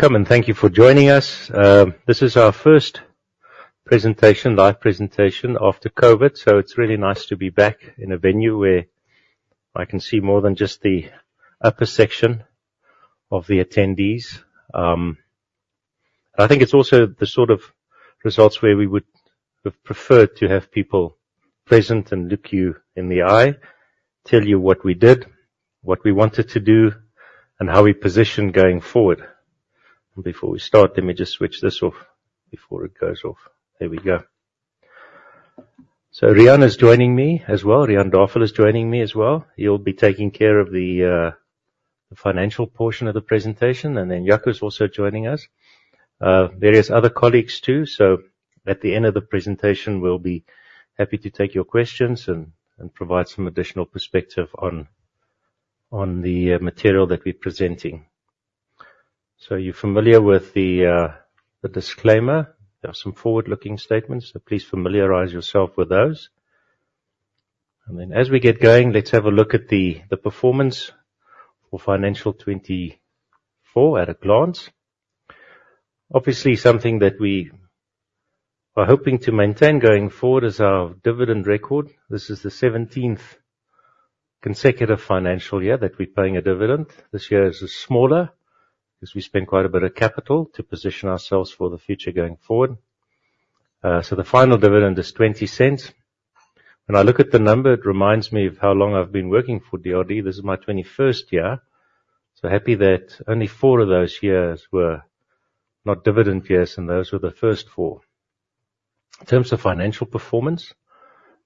Welcome, and thank you for joining us. This is our first presentation, live presentation, after COVID, so it's really nice to be back in a venue where I can see more than just the upper section of the attendees. I think it's also the sort of results where we would have preferred to have people present and look you in the eye, tell you what we did, what we wanted to do, and how we position going forward. Before we start, let me just switch this off before it goes off. There we go. So Riaan is joining me as well. Riaan Davel is joining me as well. He'll be taking care of the financial portion of the presentation, and then Jaco is also joining us. Various other colleagues, too. So at the end of the presentation, we'll be happy to take your questions and provide some additional perspective on the material that we're presenting. So you're familiar with the disclaimer. There are some forward-looking statements, so please familiarize yourself with those. And then as we get going, let's have a look at the performance for financial 2024 at a glance. Obviously, something that we are hoping to maintain going forward is our dividend record. This is the seventeenth consecutive financial year that we're paying a dividend. This year is smaller because we spent quite a bit of capital to position ourselves for the future going forward. So the final dividend is R0.20. When I look at the number, it reminds me of how long I've been working for DRD. This is my 2021 year, so happy that only four of those years were not dividend years, and those were the first four. In terms of financial performance,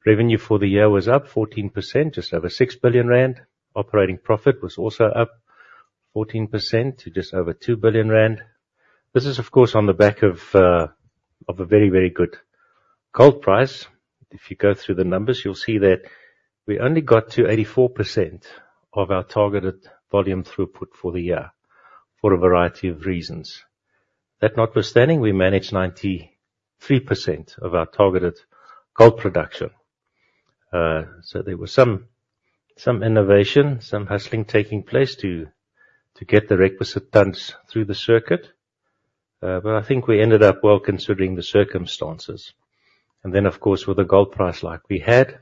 revenue for the year was up 14%, just over 6 billion rand. Operating profit was also up 14% to just over 2 billion rand. This is, of course, on the back of, of a very, very good gold price. If you go through the numbers, you'll see that we only got to 84% of our targeted volume throughput for the year for a variety of reasons. That notwithstanding, we managed 93% of our targeted gold production. So there was some innovation, some hustling taking place to get the requisite tons through the circuit. But I think we ended up well, considering the circumstances. And then, of course, with the gold price like we had,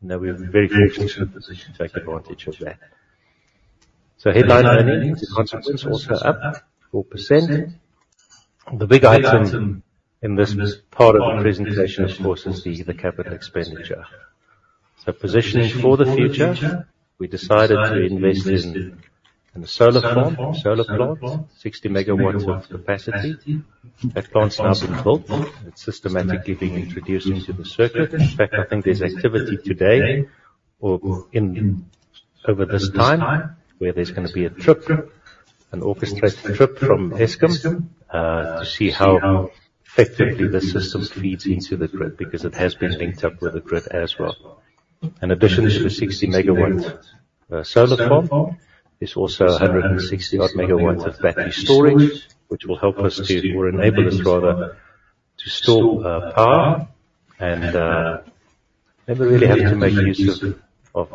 now we're in a very good position to take advantage of that. So headline earnings, the consensus also up 4%. The big item in this part of the presentation is, of course, the capital expenditure. So positioning for the future, we decided to invest in the solar farm. Solar farm, 60 megawatts of capacity. That plant's now been built. It's systematically being introduced into the circuit. In fact, I think there's activity today or in over this time, where there's gonna be a trip, an orchestrated trip from Eskom to see how effectively the system feeds into the grid, because it has been linked up with the grid as well. In addition to the 60-megawatt solar farm, there's also 160-odd megawatts of battery storage, which will help us to, or enable us, rather, to store power. And never really have to make use of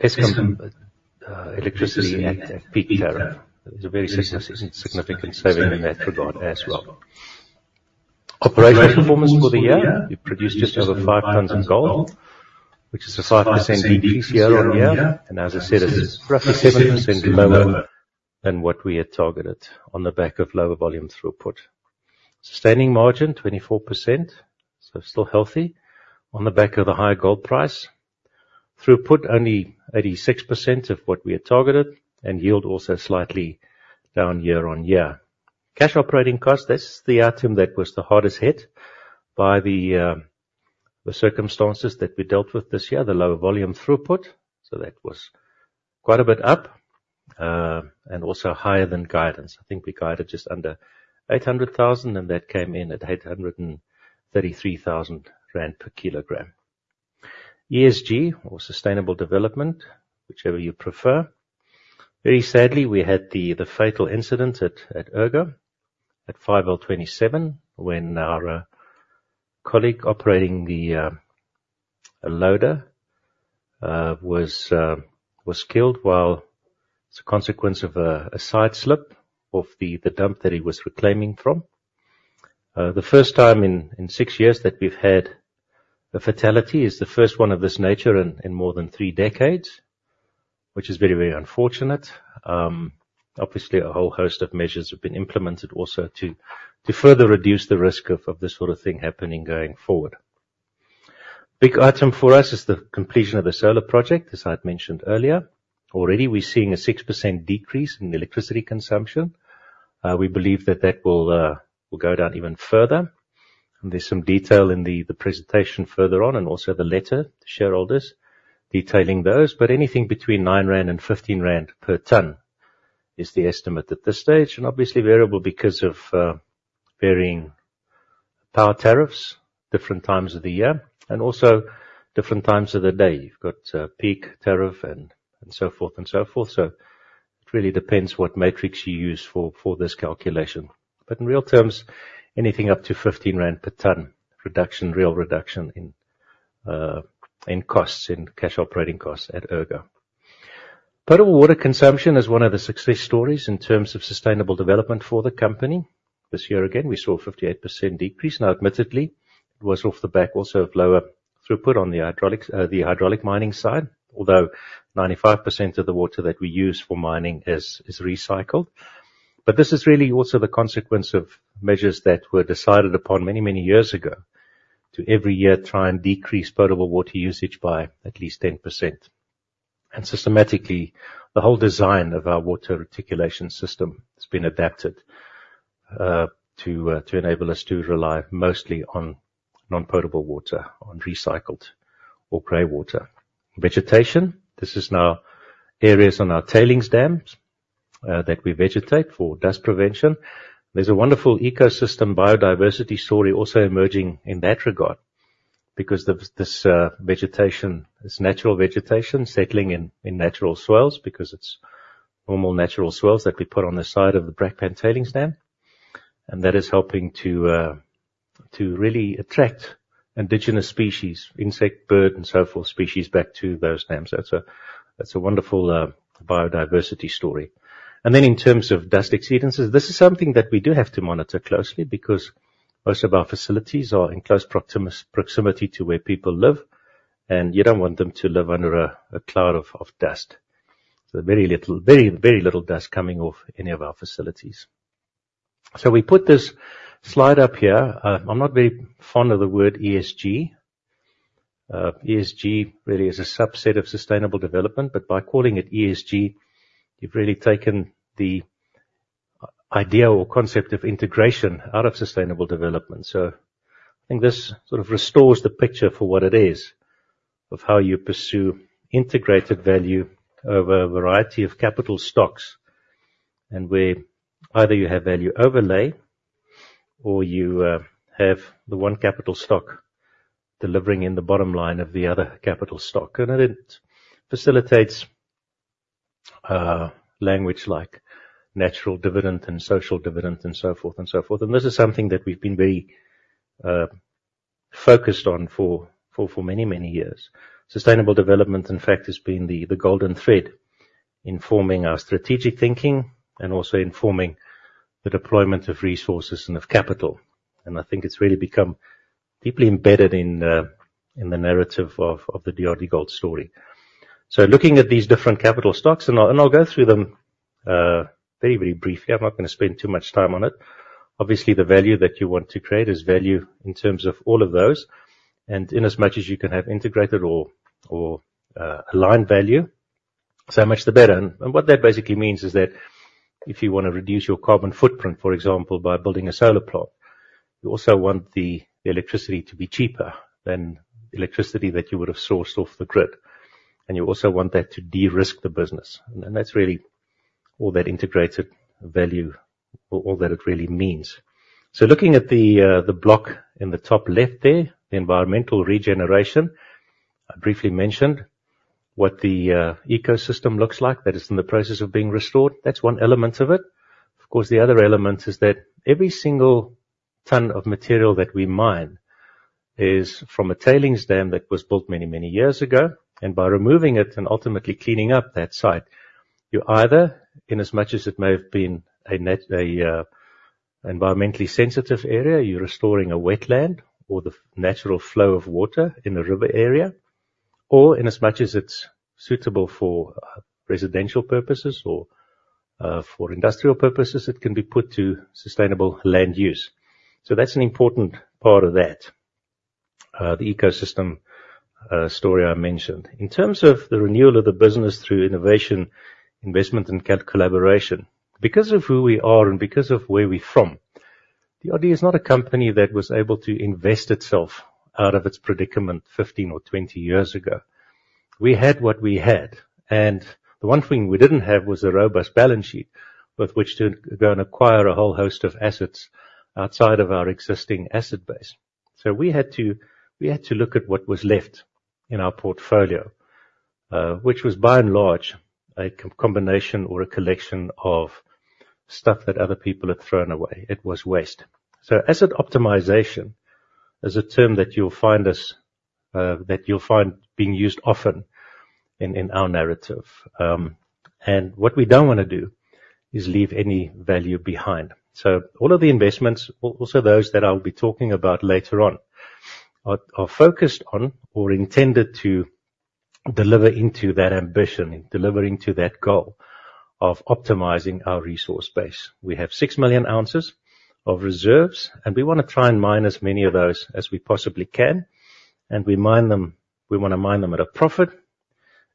Eskom electricity at peak tariff. There's a very significant saving in that regard as well. Operational performance for the year. We produced just over five tons of gold, which is a 5% decrease year-on-year, and as I said, it's roughly 7% lower than what we had targeted on the back of lower volume throughput. Sustaining margin, 24%, so still healthy on the back of the high gold price. Throughput, only 86% of what we had targeted, and yield also slightly down year on year. Cash operating cost, this is the item that was the hardest hit by the circumstances that we dealt with this year, the lower volume throughput. So that was quite a bit up, and also higher than guidance. I think we guided just under 800,000, and that came in at 833,000 rand per kilogram. ESG or sustainable development, whichever you prefer. Very sadly, we had the fatal incident at Ergo at May 27, when our colleague operating the loader was killed as a consequence of a side slip of the dump that he was reclaiming from. The first time in six years that we've had a fatality, it's the first one of this nature in more than three decades, which is very, very unfortunate. Obviously, a whole host of measures have been implemented also to further reduce the risk of this sort of thing happening going forward. Big item for us is the completion of the solar project, as I'd mentioned earlier. Already, we're seeing a 6% decrease in electricity consumption. We believe that will go down even further, and there's some detail in the presentation further on, and also the letter to shareholders detailing those, but anything between 9 rand and 15 rand per ton is the estimate at this stage, and obviously variable because of varying power tariffs, different times of the year, and also different times of the day. You've got peak tariff and so forth, so it really depends what metrics you use for this calculation. In real terms, anything up to R15 per ton reduction, real reduction in costs, in cash operating costs at Ergo. Potable water consumption is one of the success stories in terms of sustainable development for the company. This year, again, we saw a 58% decrease. Now, admittedly, it was off the back also of lower throughput on the hydraulics, the hydraulic mining side, although 95% of the water that we use for mining is recycled. This is really also the consequence of measures that were decided upon many, many years ago, to every year try and decrease potable water usage by at least 10%. Systematically, the whole design of our water reticulation system has been adapted, to enable us to rely mostly on non-potable water, on recycled or gray water. Vegetation. This is now areas on our tailings dams that we vegetate for dust prevention. There's a wonderful ecosystem, biodiversity story also emerging in that regard, because of this vegetation, this natural vegetation, settling in, in natural soils, because it's normal natural soils that we put on the side of the Brakpan Tailings Dam, and that is helping to really attract indigenous species, insect, bird, and so forth, species back to those dams. That's a wonderful biodiversity story. And then in terms of dust exceedances, this is something that we do have to monitor closely, because most of our facilities are in close proximity to where people live, and you don't want them to live under a cloud of dust. So very little, very, very little dust coming off any of our facilities. So we put this slide up here. I'm not very fond of the word ESG. ESG really is a subset of sustainable development, but by calling it ESG, you've really taken the ideal or concept of integration out of sustainable development. So I think this sort of restores the picture for what it is, of how you pursue integrated value over a variety of capital stocks, and where either you have value overlay or you have the one capital stock delivering in the bottom line of the other capital stock. And it facilitates language like natural dividend and social dividend and so forth, and so forth. And this is something that we've been very focused on for many years. Sustainable development, in fact, has been the golden thread in forming our strategic thinking and also in forming the deployment of resources and of capital. I think it's really become deeply embedded in the narrative of the DRDGOLD story. So looking at these different capital stocks, and I'll go through them very, very briefly. I'm not going to spend too much time on it. Obviously, the value that you want to create is value in terms of all of those, and in as much as you can have integrated or aligned value, so much the better. And what that basically means is that if you want to reduce your carbon footprint, for example, by building a solar plant, you also want the electricity to be cheaper than the electricity that you would have sourced off the grid, and you also want that to de-risk the business. And that's really all that integrated value or all that it really means. So looking at the, the block in the top left there, the environmental regeneration. I briefly mentioned what the, ecosystem looks like. That is in the process of being restored. That's one element of it. Of course, the other element is that every single ton of material that we mine is from a tailings dam that was built many, many years ago, and by removing it and ultimately cleaning up that site, you either, in as much as it may have been an environmentally sensitive area, you're restoring a wetland or the natural flow of water in a river area, or in as much as it's suitable for, residential purposes or, for industrial purposes, it can be put to sustainable land use. So that's an important part of that, the ecosystem, story I mentioned. In terms of the renewal of the business through innovation, investment, and collaboration. Because of who we are and because of where we're from, DRD is not a company that was able to invest itself out of its predicament fifteen or twenty years ago. We had what we had, and the one thing we didn't have was a robust balance sheet with which to go and acquire a whole host of assets outside of our existing asset base. So we had to look at what was left in our portfolio, which was by and large a combination or a collection of stuff that other people had thrown away. It was waste. So asset optimization is a term that you'll find us using often in our narrative. And what we don't wanna do is leave any value behind. So all of the investments, also those that I'll be talking about later on, are focused on or intended to deliver into that ambition, deliver into that goal of optimizing our resource base. We have six million ounces of reserves, and we wanna try and mine as many of those as we possibly can, and we wanna mine them at a profit,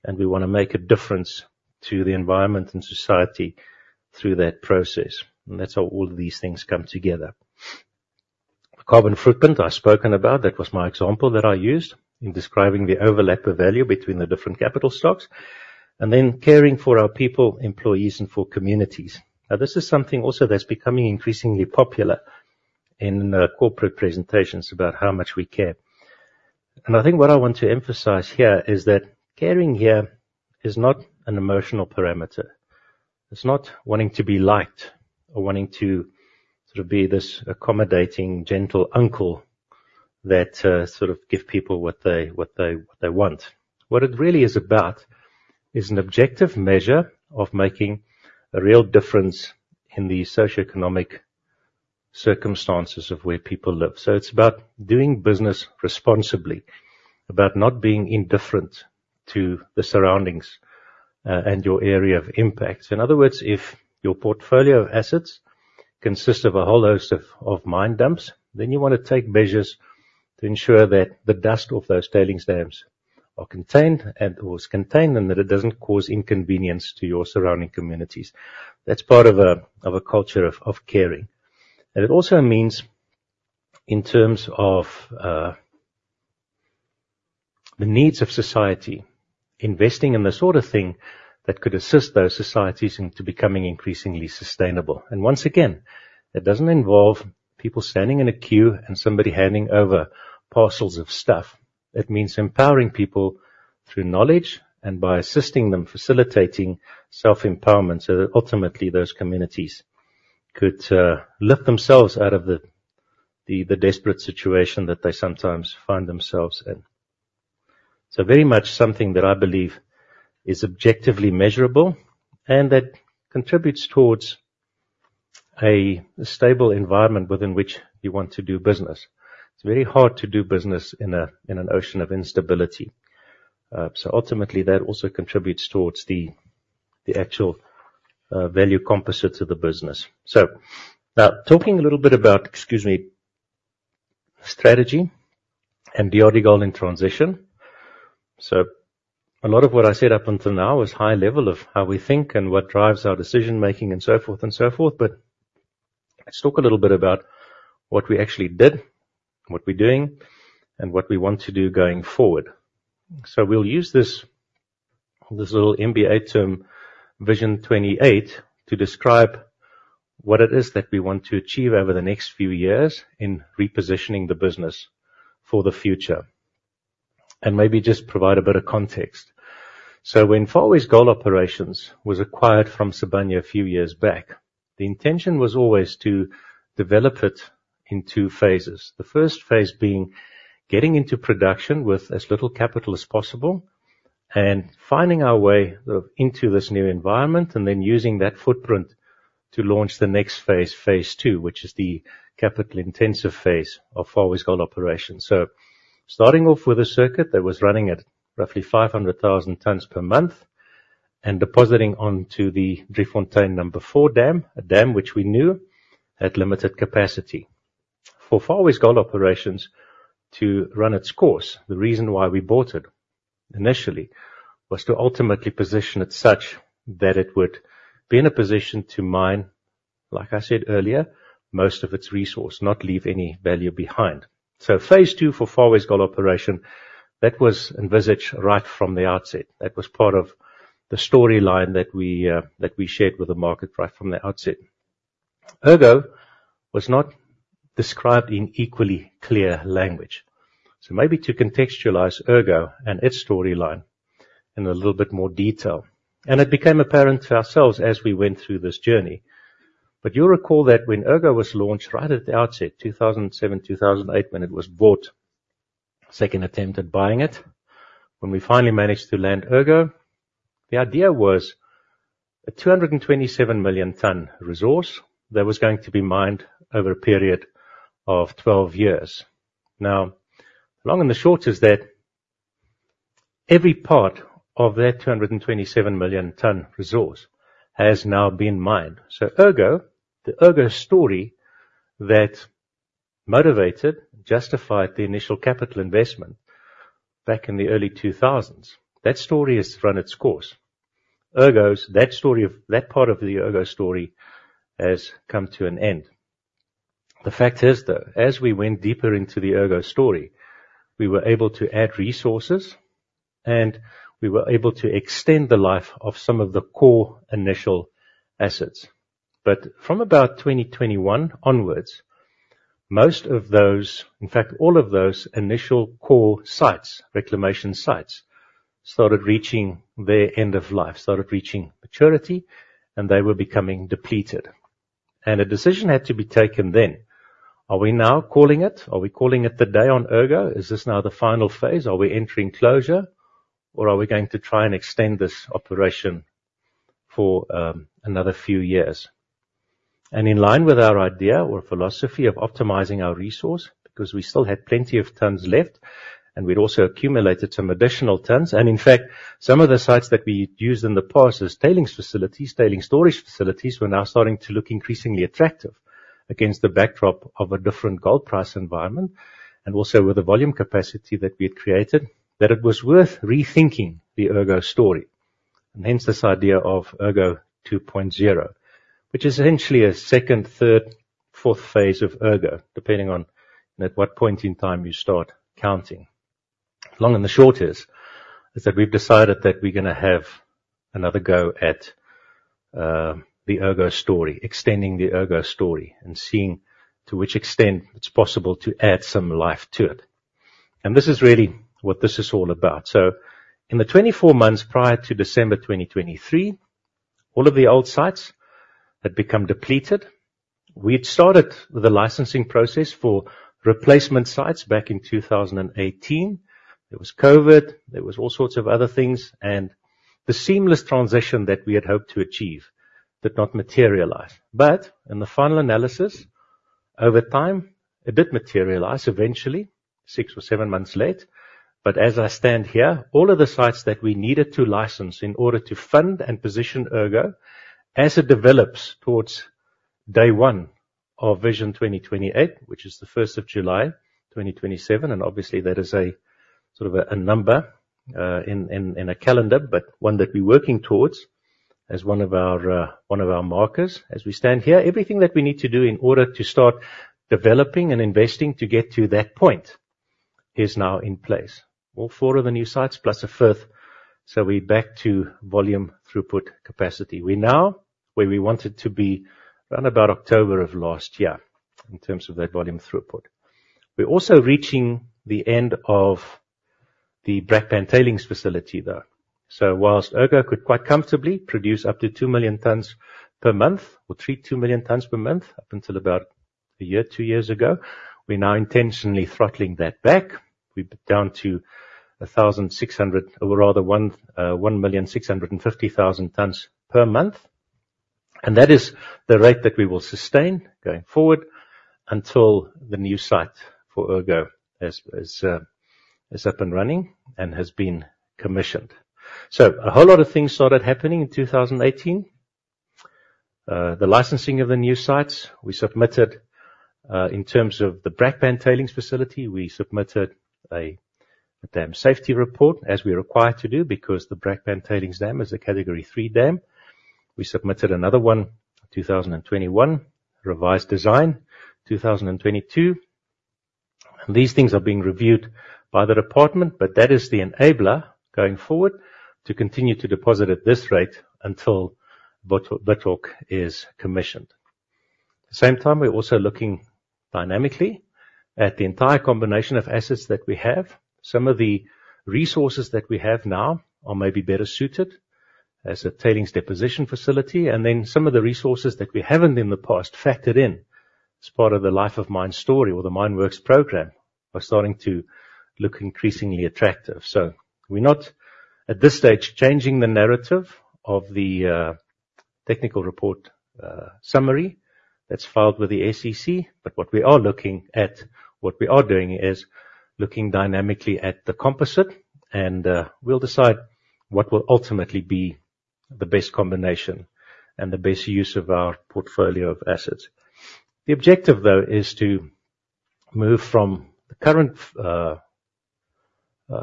and we wanna make a difference to the environment and society through that process. And that's how all of these things come together. Carbon footprint, I've spoken about, that was my example that I used in describing the overlap of value between the different capital stocks, and then caring for our people, employees, and for communities. Now, this is something also that's becoming increasingly popular in corporate presentations about how much we care. I think what I want to emphasize here is that caring here is not an emotional parameter. It's not wanting to be liked or wanting to sort of be this accommodating, gentle uncle that sort of gives people what they want. What it really is about is an objective measure of making a real difference in the socioeconomic circumstances of where people live. So it's about doing business responsibly, about not being indifferent to the surroundings and your area of impact. In other words, if your portfolio of assets consists of a whole host of mine dumps, then you want to take measures to ensure that the dust of those tailings dams are contained or is contained, and that it doesn't cause inconvenience to your surrounding communities. That's part of a culture of caring. It also means, in terms of the needs of society, investing in the sort of thing that could assist those societies into becoming increasingly sustainable. Once again, it doesn't involve people standing in a queue and somebody handing over parcels of stuff. It means empowering people through knowledge and by assisting them, facilitating self-empowerment, so that ultimately those communities could lift themselves out of the desperate situation that they sometimes find themselves in. Very much something that I believe is objectively measurable and that contributes towards a stable environment within which you want to do business. It's very hard to do business in an ocean of instability. Ultimately, that also contributes towards the actual value components of the business. Now, talking a little bit about, excuse me, strategy and the Ergo goal in transition. A lot of what I said up until now is high level of how we think and what drives our decision-making, and so forth, and so forth. But let's talk a little bit about what we actually did, what we're doing, and what we want to do going forward. We'll use this, this little MBA term, Vision 2028, to describe what it is that we want to achieve over the next few years in repositioning the business for the future, and maybe just provide a bit of context. When Far West Gold Operations was acquired from Sibanye a few years back, the intention was always to develop it in two phases. The first phase being getting into production with as little capital as possible, and finding our way into this new environment, and then using that footprint to launch the next phase, phase two, which is the capital-intensive phase of Far West Gold Operations. So starting off with a circuit that was running at roughly 500,000 tons per month, and depositing onto the Driefontein 4 dam, a dam which we knew had limited capacity. For Far West Gold Operations to run its course, the reason why we bought it initially, was to ultimately position it such that it would be in a position to mine, like I said earlier, most of its resource, not leave any value behind. So phase two for Far West Gold Operations, that was envisaged right from the outset. That was part of the storyline that we shared with the market right from the outset. Ergo was not described in equally clear language, so maybe to contextualize Ergo and its storyline in a little bit more detail. And it became apparent to ourselves as we went through this journey. But you'll recall that when Ergo was launched, right at the outset, 2007, 2008, when it was bought, second attempt at buying it, when we finally managed to land Ergo, the idea was a 227 million ton resource that was going to be mined over a period of 12 years. Now, long and the short is that every part of that 227 million ton resource has now been mined. Ergo, the Ergo story that motivated, justified the initial capital investment back in the early 2000s, that story has run its course. Ergo—that story of... That part of the Ergo story has come to an end. The fact is, though, as we went deeper into the Ergo story, we were able to add resources, and we were able to extend the life of some of the core initial assets. But from about 2021 onwards, most of those, in fact, all of those initial core sites, reclamation sites, started reaching their end of life, started reaching maturity, and they were becoming depleted. A decision had to be taken then: are we now calling it? Are we calling it a day on Ergo? Is this now the final phase? Are we entering closure, or are we going to try and extend this operation for another few years? And in line with our idea or philosophy of optimizing our resource, because we still had plenty of tons left, and we'd also accumulated some additional tons. And in fact, some of the sites that we used in the past as tailings facilities, tailings storage facilities, were now starting to look increasingly attractive against the backdrop of a different gold price environment, and also with the volume capacity that we had created, that it was worth rethinking the Ergo story. And hence this idea of Ergo 2.0, which is essentially a second, third, fourth phase of Ergo, depending on at what point in time you start counting. Long and the short is that we've decided that we're gonna have another go at-... The Ergo story, extending the Ergo story, and seeing to which extent it's possible to add some life to it. And this is really what this is all about. So in the twenty-four months prior to December 2023, all of the old sites had become depleted. We'd started with the licensing process for replacement sites back in 2018. There was COVID, there was all sorts of other things, and the seamless transition that we had hoped to achieve did not materialize. But in the final analysis, over time, it did materialize eventually, six or seven months late. But as I stand here, all of the sites that we needed to license in order to fund and position Ergo, as it develops towards day one of Vision 2028, which is the first of July 2027, and obviously, that is a sort of a number in a calendar, but one that we're working towards as one of our markers. As we stand here, everything that we need to do in order to start developing and investing to get to that point is now in place. All four of the new sites, plus a fifth, so we're back to volume throughput capacity. We're now where we wanted to be around about October of last year in terms of that volume throughput. We're also reaching the end of the Brakpan Tailings Facility, though. While Ergo could quite comfortably produce up to two million tons per month or three, two million tons per month up until about a year, two years ago, we're now intentionally throttling that back. We're down to a thousand six hundred, or rather one million six hundred and fifty thousand tons per month, and that is the rate that we will sustain going forward until the new site for Ergo is up and running and has been commissioned. A whole lot of things started happening in 2018. The licensing of the new sites, we submitted, in terms of the Brakpan Tailings facility, we submitted a Dam Safety report, as we are required to do, because the Brakpan Tailings Dam is a Category Three dam. We submitted another one, two thousand and twenty-one, revised design, two thousand and twenty-two. These things are being reviewed by the department, but that is the enabler, going forward, to continue to deposit at this rate until Withok is commissioned. Same time, we're also looking dynamically at the entire combination of assets that we have. Some of the resources that we have now are maybe better suited as a tailings deposition facility, and then some of the resources that we haven't in the past factored in as part of the Life of Mine story or the Mine Works program, are starting to look increasingly attractive. So we're not, at this stage, changing the narrative of the Technical Report Summary that's filed with the SEC, but what we are looking at, what we are doing, is looking dynamically at the composite and, we'll decide what will ultimately be the best combination and the best use of our portfolio of assets. The objective, though, is to move from the current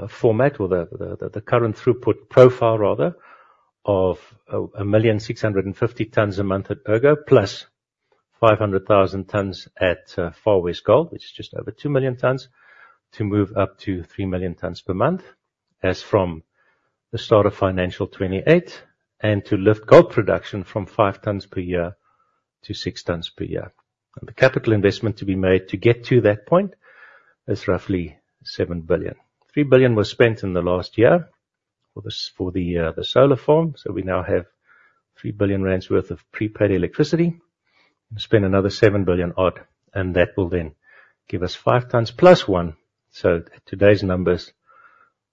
format or the current throughput profile rather, of a million six hundred and fifty tons a month at Ergo, plus five hundred thousand tons at Far West Gold, which is just over two million tons, to move up to three million tons per month, as from the start of financial 2028, and to lift gold production from five tons per year to six tons per year. The capital investment to be made to get to that point is roughly 7 billion. 3 billion was spent in the last year for the solar farm. So we now have 3 billion rand worth of prepaid electricity, and spend another 7 billion odd, and that will then give us five tons plus one. So today's numbers,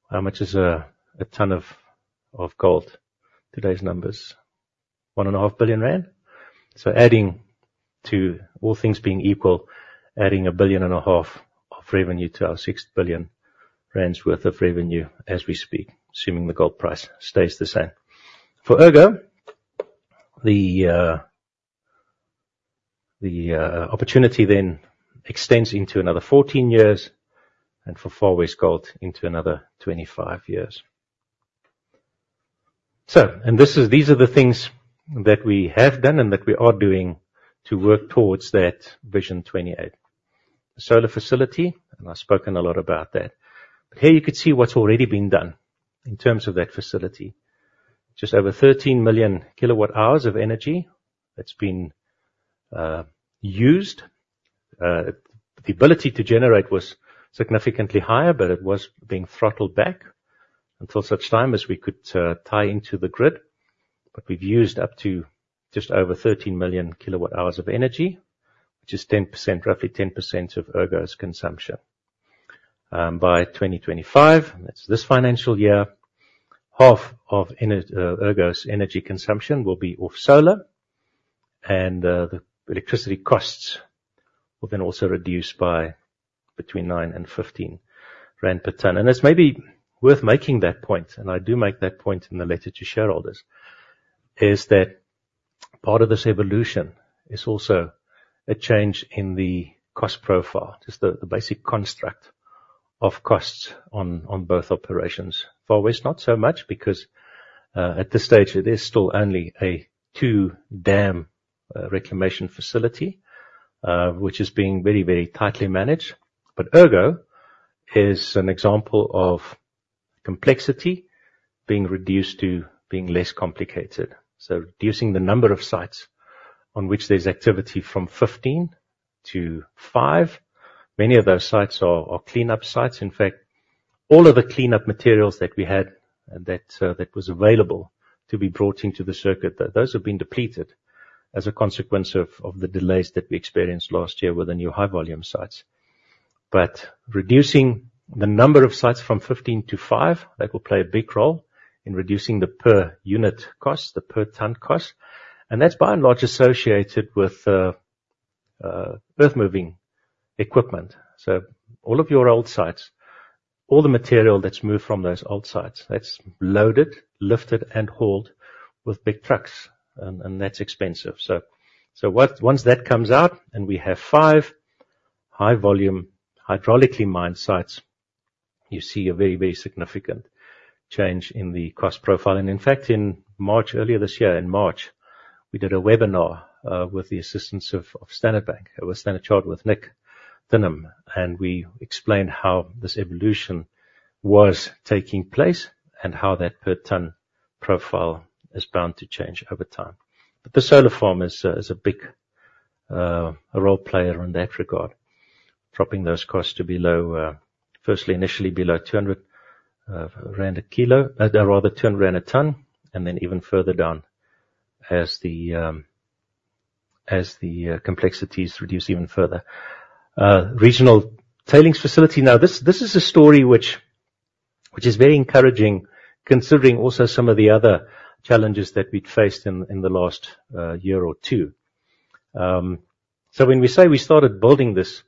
how much is a ton of gold? Today's numbers, 1.5 billion rand. So adding to all things being equal, adding 1.5 billion of revenue to our 6 billion rand worth of revenue as we speak, assuming the gold price stays the same. For Ergo, the opportunity then extends into another 14 years, and for Far West Gold, into another 25 years. So, these are the things that we have done and that we are doing to work towards that Vision 2028. Solar facility, and I've spoken a lot about that. But here you can see what's already been done in terms of that facility. Just over 13 million kilowatt hours of energy that's been used. The ability to generate was significantly higher, but it was being throttled back until such time as we could tie into the grid. But we've used up to just over 13 million kilowatt hours of energy, which is 10%, roughly 10% of Ergo's consumption. By 2025, that's this financial year, half of Ergo's energy consumption will be off solar, and the electricity costs will then also reduce by between R9 and R15 per ton. And it's maybe worth making that point, and I do make that point in the letter to shareholders, is that part of this evolution is also a change in the cost profile, just the basic construct of costs on both operations. Far West, not so much, because, at this stage, it is still only a two-dam reclamation facility, which is being very, very tightly managed. But Ergo is an example of complexity being reduced to being less complicated. So reducing the number of sites on which there's activity from fifteen to five. Many of those sites are cleanup sites. In fact, all of the cleanup materials that we had and that, that was available to be brought into the circuit, that those have been depleted as a consequence of the delays that we experienced last year with the new high volume sites. But reducing the number of sites from fifteen to five, that will play a big role in reducing the per unit cost, the per ton cost, and that's by and large, associated with earthmoving equipment. So all of your old sites, all the material that's moved from those old sites, that's loaded, lifted, and hauled with big trucks, and that's expensive. Once that comes out and we have five high volume hydraulically mined sites, you see a very, very significant change in the cost profile. And in fact, in March, earlier this year, in March, we did a webinar with the assistance of Standard Bank. It was Standard Chartered with Nick Dinham, and we explained how this evolution was taking place and how that per ton profile is bound to change over time. But the solar farm is a big role player in that regard, dropping those costs to below, firstly, initially below two hundred rand a kilo, rather two hundred rand a ton, and then even further down as the complexities reduce even further. Regional tailings facility. Now, this is a story which is very encouraging, considering also some of the other challenges that we'd faced in the last year or two. So when we say we started building this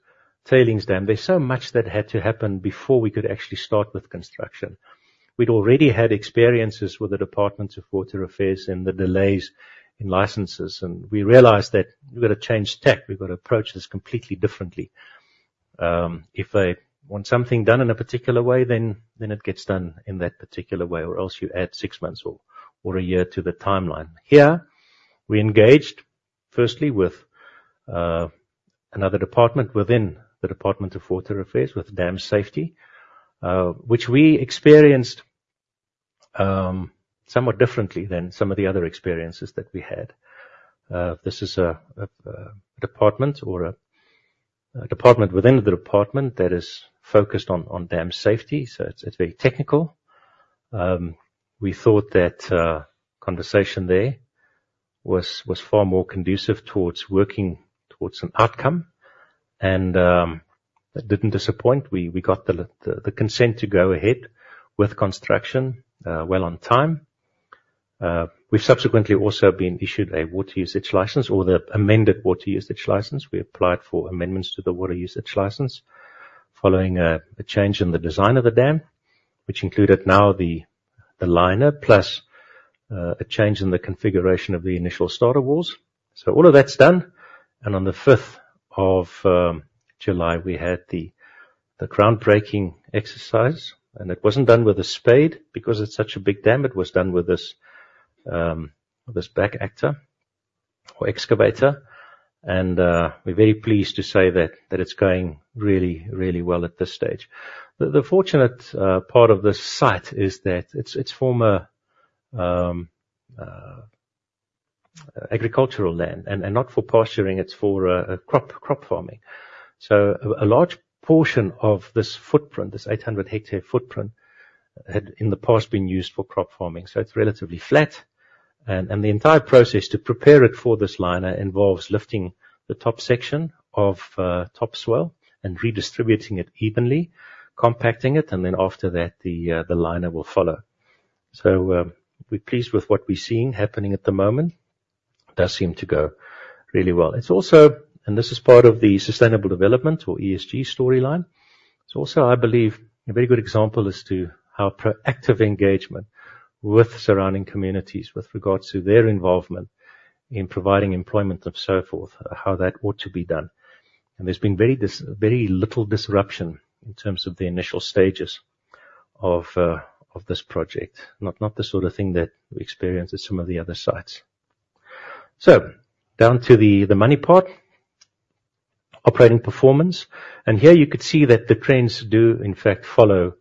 tailings dam, there's so much that had to happen before we could actually start with construction. We'd already had experiences with the Department of Water Affairs and the delays in licenses, and we realized that we've got to change tack. We've got to approach this completely differently. If they want something done in a particular way, then it gets done in that particular way, or else you add six months or a year to the timeline. Here, we engaged firstly with another department within the Department of Water Affairs, with dam safety, which we experienced somewhat differently than some of the other experiences that we had. This is a department within the department that is focused on dam safety, so it's very technical. We thought that conversation there was far more conducive towards working towards an outcome, and that didn't disappoint. We got the consent to go ahead with construction, well on time. We've subsequently also been issued a Water Use License or the amended Water Use License. We applied for amendments to the Water Use License following a change in the design of the dam, which included now the liner, plus a change in the configuration of the initial starter walls. So all of that's done, and on the fifth of July, we had the groundbreaking exercise, and it wasn't done with a spade because it's such a big dam. It was done with this back-actor or excavator, and we're very pleased to say that it's going really, really well at this stage. The fortunate part of this site is that it's former agricultural land, and not for pasturing, it's for crop farming. So a large portion of this footprint, this 800-hectare footprint, had in the past been used for crop farming, so it's relatively flat, and the entire process to prepare it for this liner involves lifting the top section of topsoil and redistributing it evenly, compacting it, and then after that, the liner will follow. So, we're pleased with what we're seeing happening at the moment. It does seem to go really well. It's also, and this is part of the sustainable development or ESG storyline. It's also, I believe, a very good example as to how proactive engagement with surrounding communities with regards to their involvement in providing employment and so forth, how that ought to be done. There's been very little disruption in terms of the initial stages of this project, not the sort of thing that we experienced at some of the other sites. Down to the money part, operating performance, and here you could see that the trends do in fact follow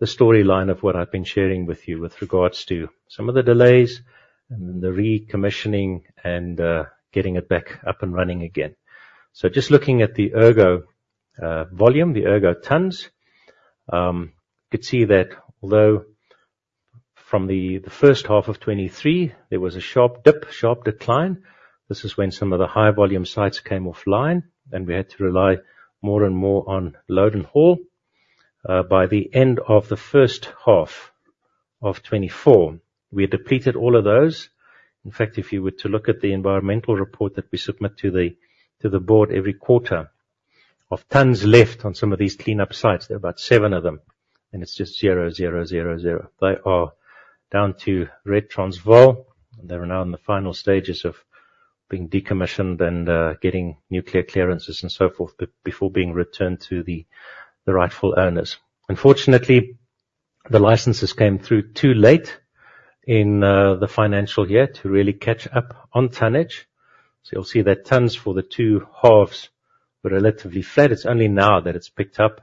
the storyline of what I've been sharing with you with regards to some of the delays and the recommissioning and getting it back up and running again. Just looking at the Ergo volume, the Ergo tons, you could see that although from the first half of 2023, there was a sharp dip, sharp decline. This is when some of the high volume sites came offline, and we had to rely more and more on load and haul. By the end of the first half of twenty-four, we had depleted all of those. In fact, if you were to look at the environmental report that we submit to the board every quarter, of tons left on some of these cleanup sites, there are about seven of them, and it's just zero, zero, zero, zero. They are down to Rentras, and they are now in the final stages of being decommissioned and getting nuclear clearances and so forth, before being returned to the rightful owners. Unfortunately, the licenses came through too late in the financial year to really catch up on tonnage. So you'll see that tons for the two halves were relatively flat. It's only now that it's picked up,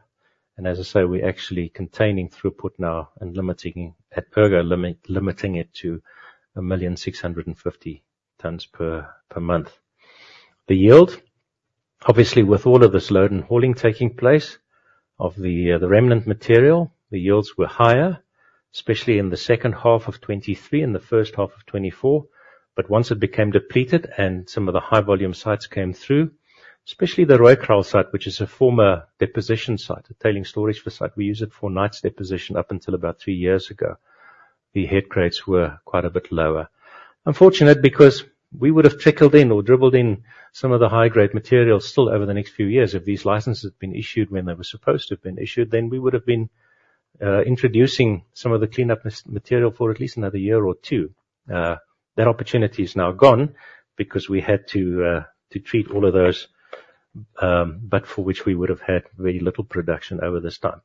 and as I say, we're actually containing throughput now and limiting it to 1.65 million tonnes per month. The yield, obviously, with all of this load and hauling taking place of the remnant material, the yields were higher, especially in the second half of 2023 and the first half of 2024. But once it became depleted and some of the high-volume sites came through, especially the Rooikraal site, which is a former deposition site, a tailings storage facility site. We used it for Knights deposition up until about three years ago. The head grades were quite a bit lower. Unfortunate, because we would have trickled in or dribbled in some of the high-grade materials still over the next few years. If these licenses had been issued when they were supposed to have been issued, then we would have been introducing some of the cleanup material for at least another year or two. That opportunity is now gone because we had to treat all of those, but for which we would have had very little production over this time.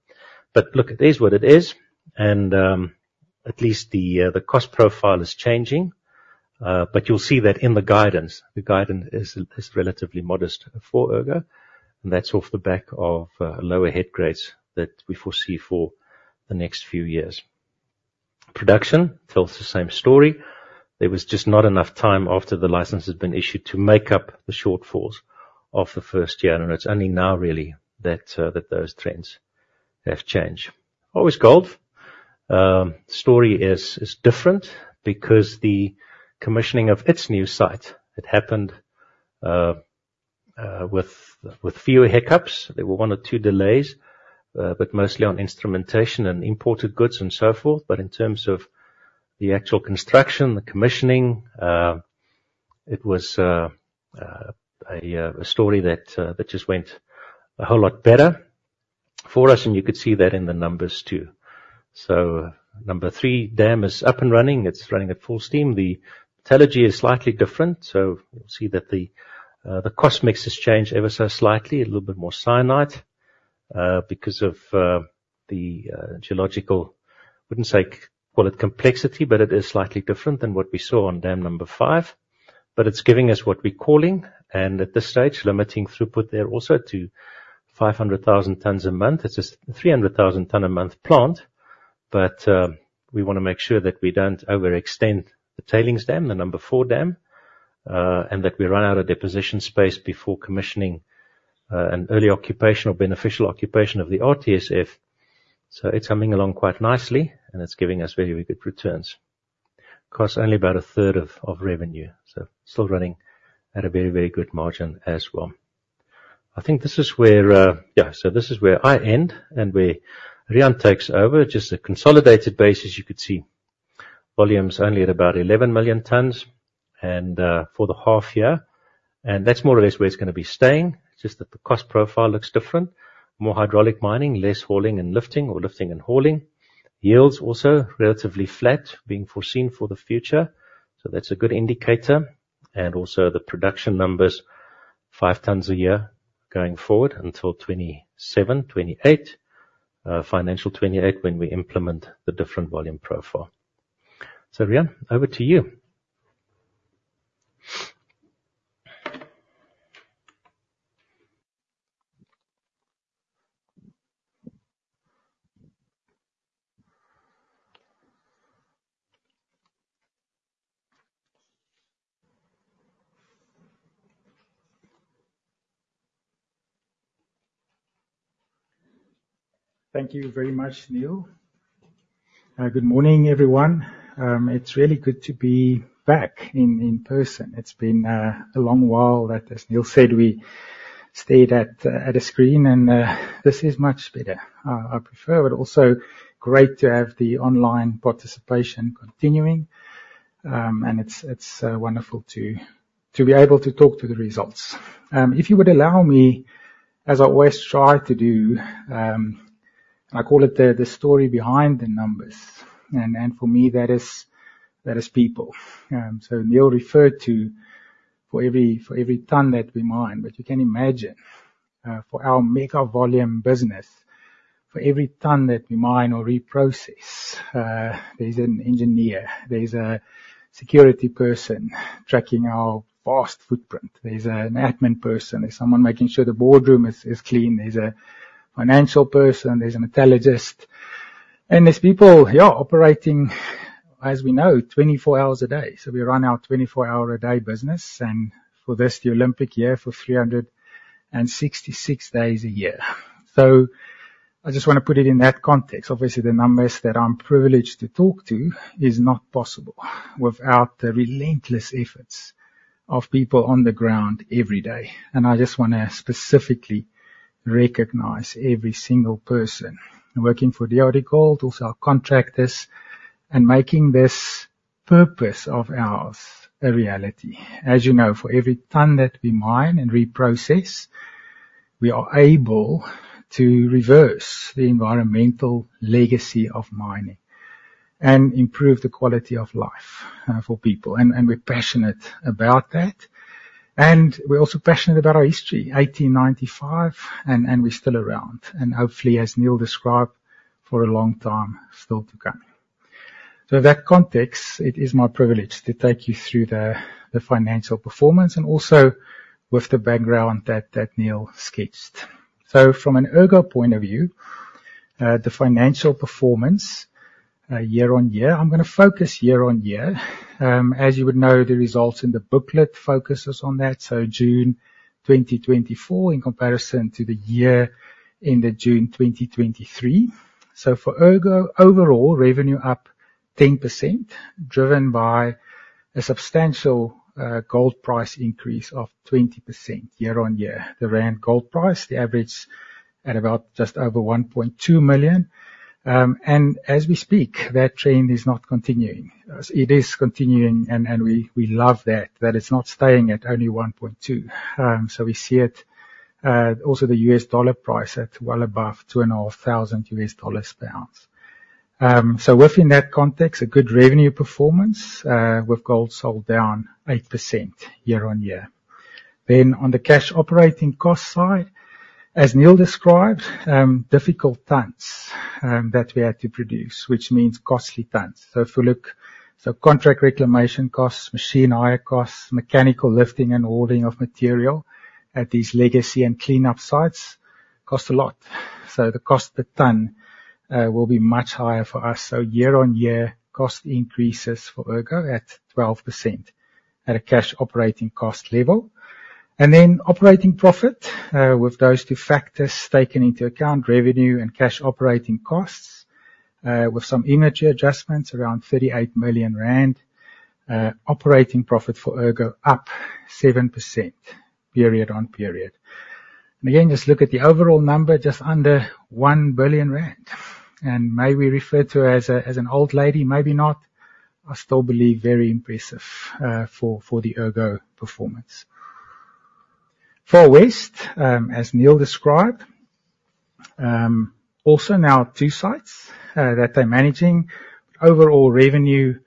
But look, it is what it is, and at least the cost profile is changing. But you'll see that in the guidance. The guidance is relatively modest for Ergo, and that's off the back of lower head grades that we foresee for the next few years. Production tells the same story. There was just not enough time after the license had been issued to make up the shortfalls of the first year, and it's only now really that that those trends have changed. DRDGOLD story is different because the commissioning of its new site, it happened with fewer hiccups. There were one or two delays, but mostly on instrumentation and imported goods and so forth. But in terms of the actual construction, the commissioning, it was a story that just went a whole lot better for us, and you could see that in the numbers, too. Number three dam is up and running. It's running at full steam. The metallurgy is slightly different, so you'll see that the cost mix has changed ever so slightly, a little bit more cyanide, because of the geological, I wouldn't say call it complexity, but it is slightly different than what we saw on dam number five. But it's giving us what we're calling and at this stage, limiting throughput there also to five hundred thousand tons a month. It's a three hundred thousand ton a month plant, but we want to make sure that we don't overextend the tailings dam, the number four dam, and that we run out of deposition space before commissioning an early occupational, beneficial occupation of the RTSF. So it's coming along quite nicely, and it's giving us very, very good returns. Costs only about a third of revenue, so still running at a very, very good margin as well. I think this is where Yeah, so this is where I end and where Riaan takes over. Just a consolidated basis. You could see volume's only at about 11 million tonnes and for the half year, and that's more or less where it's gonna be staying, just that the cost profile looks different. More hydraulic mining, less hauling and lifting or lifting and hauling. Yields also relatively flat, being foreseen for the future, so that's a good indicator. And also the production numbers, 5 tonnes a year going forward until 2027, 2028, financial 2028, when we implement the different volume profile. So, Riaan, over to you. Thank you very much, Niël. Good morning, everyone. It's really good to be back in person. It's been a long while, as Niël said, that we stayed at a screen, and this is much better. I prefer it. Also great to have the online participation continuing, and it's wonderful to be able to talk to the results. If you would allow me, as I always try to do, and I call it the story behind the numbers, and for me, that is people. So Niël referred to for every tonne that we mine, but you can imagine, for our mega volume business, for every tonne that we mine or reprocess, there's an engineer, there's a security person tracking our vast footprint. There's an admin person. There's someone making sure the boardroom is clean. There's a financial person, there's a metallurgist, and there's people, yeah, operating, as we know, twenty-four hours a day. So we run our twenty-four-hour-a-day business, and for this, the Olympic year, for three hundred and sixty-six days a year. So I just want to put it in that context. Obviously, the numbers that I'm privileged to talk to is not possible without the relentless efforts of people on the ground every day, and I just want to specifically recognize every single person working for DRDGOLD, also our contractors, and making this purpose of ours a reality. As you know, for every tonne that we mine and reprocess, we are able to reverse the environmental legacy of mining and improve the quality of life, for people, and we're passionate about that. We're also passionate about our history, eighteen ninety-five, and we're still around, and hopefully, as Niël described, for a long time still to come. In that context, it is my privilege to take you through the financial performance and also with the background that Niël sketched. From an Ergo point of view, the financial performance year-on-year, I'm gonna focus year-on-year. As you would know, the results in the booklet focuses on that, so June 2024, in comparison to the year ended June 2023. For Ergo, overall revenue up 10%, driven by a substantial gold price increase of 20% year-on-year. The rand gold price, the average at about just over R1.2 million. As we speak, that trend is not continuing. It is continuing, and we love that it's not staying at only $1,200. So we see it also the U.S. dollar price at well above $2,500 per ounce. So within that context, a good revenue performance with gold sold down 8% year-on-year. Then on the cash operating cost side, as Niël described, difficult tons that we had to produce, which means costly tons. So if you look, so contract reclamation costs, machine hire costs, mechanical lifting and hauling of material at these legacy and cleanup sites cost a lot. So the cost per ton will be much higher for us. So year-on-year, cost increases for Ergo at 12% at a cash operating cost level. And then operating profit, with those two factors taken into account, revenue and cash operating costs, with some energy adjustments, around 38 million rand. Operating profit for Ergo up 7% period-on-period. And again, just look at the overall number, just under 1 billion rand, and may we refer to as an old lady, maybe not. I still believe very impressive for the Ergo performance. Far West, as Niël described, also now two sites that they're managing. Overall revenue,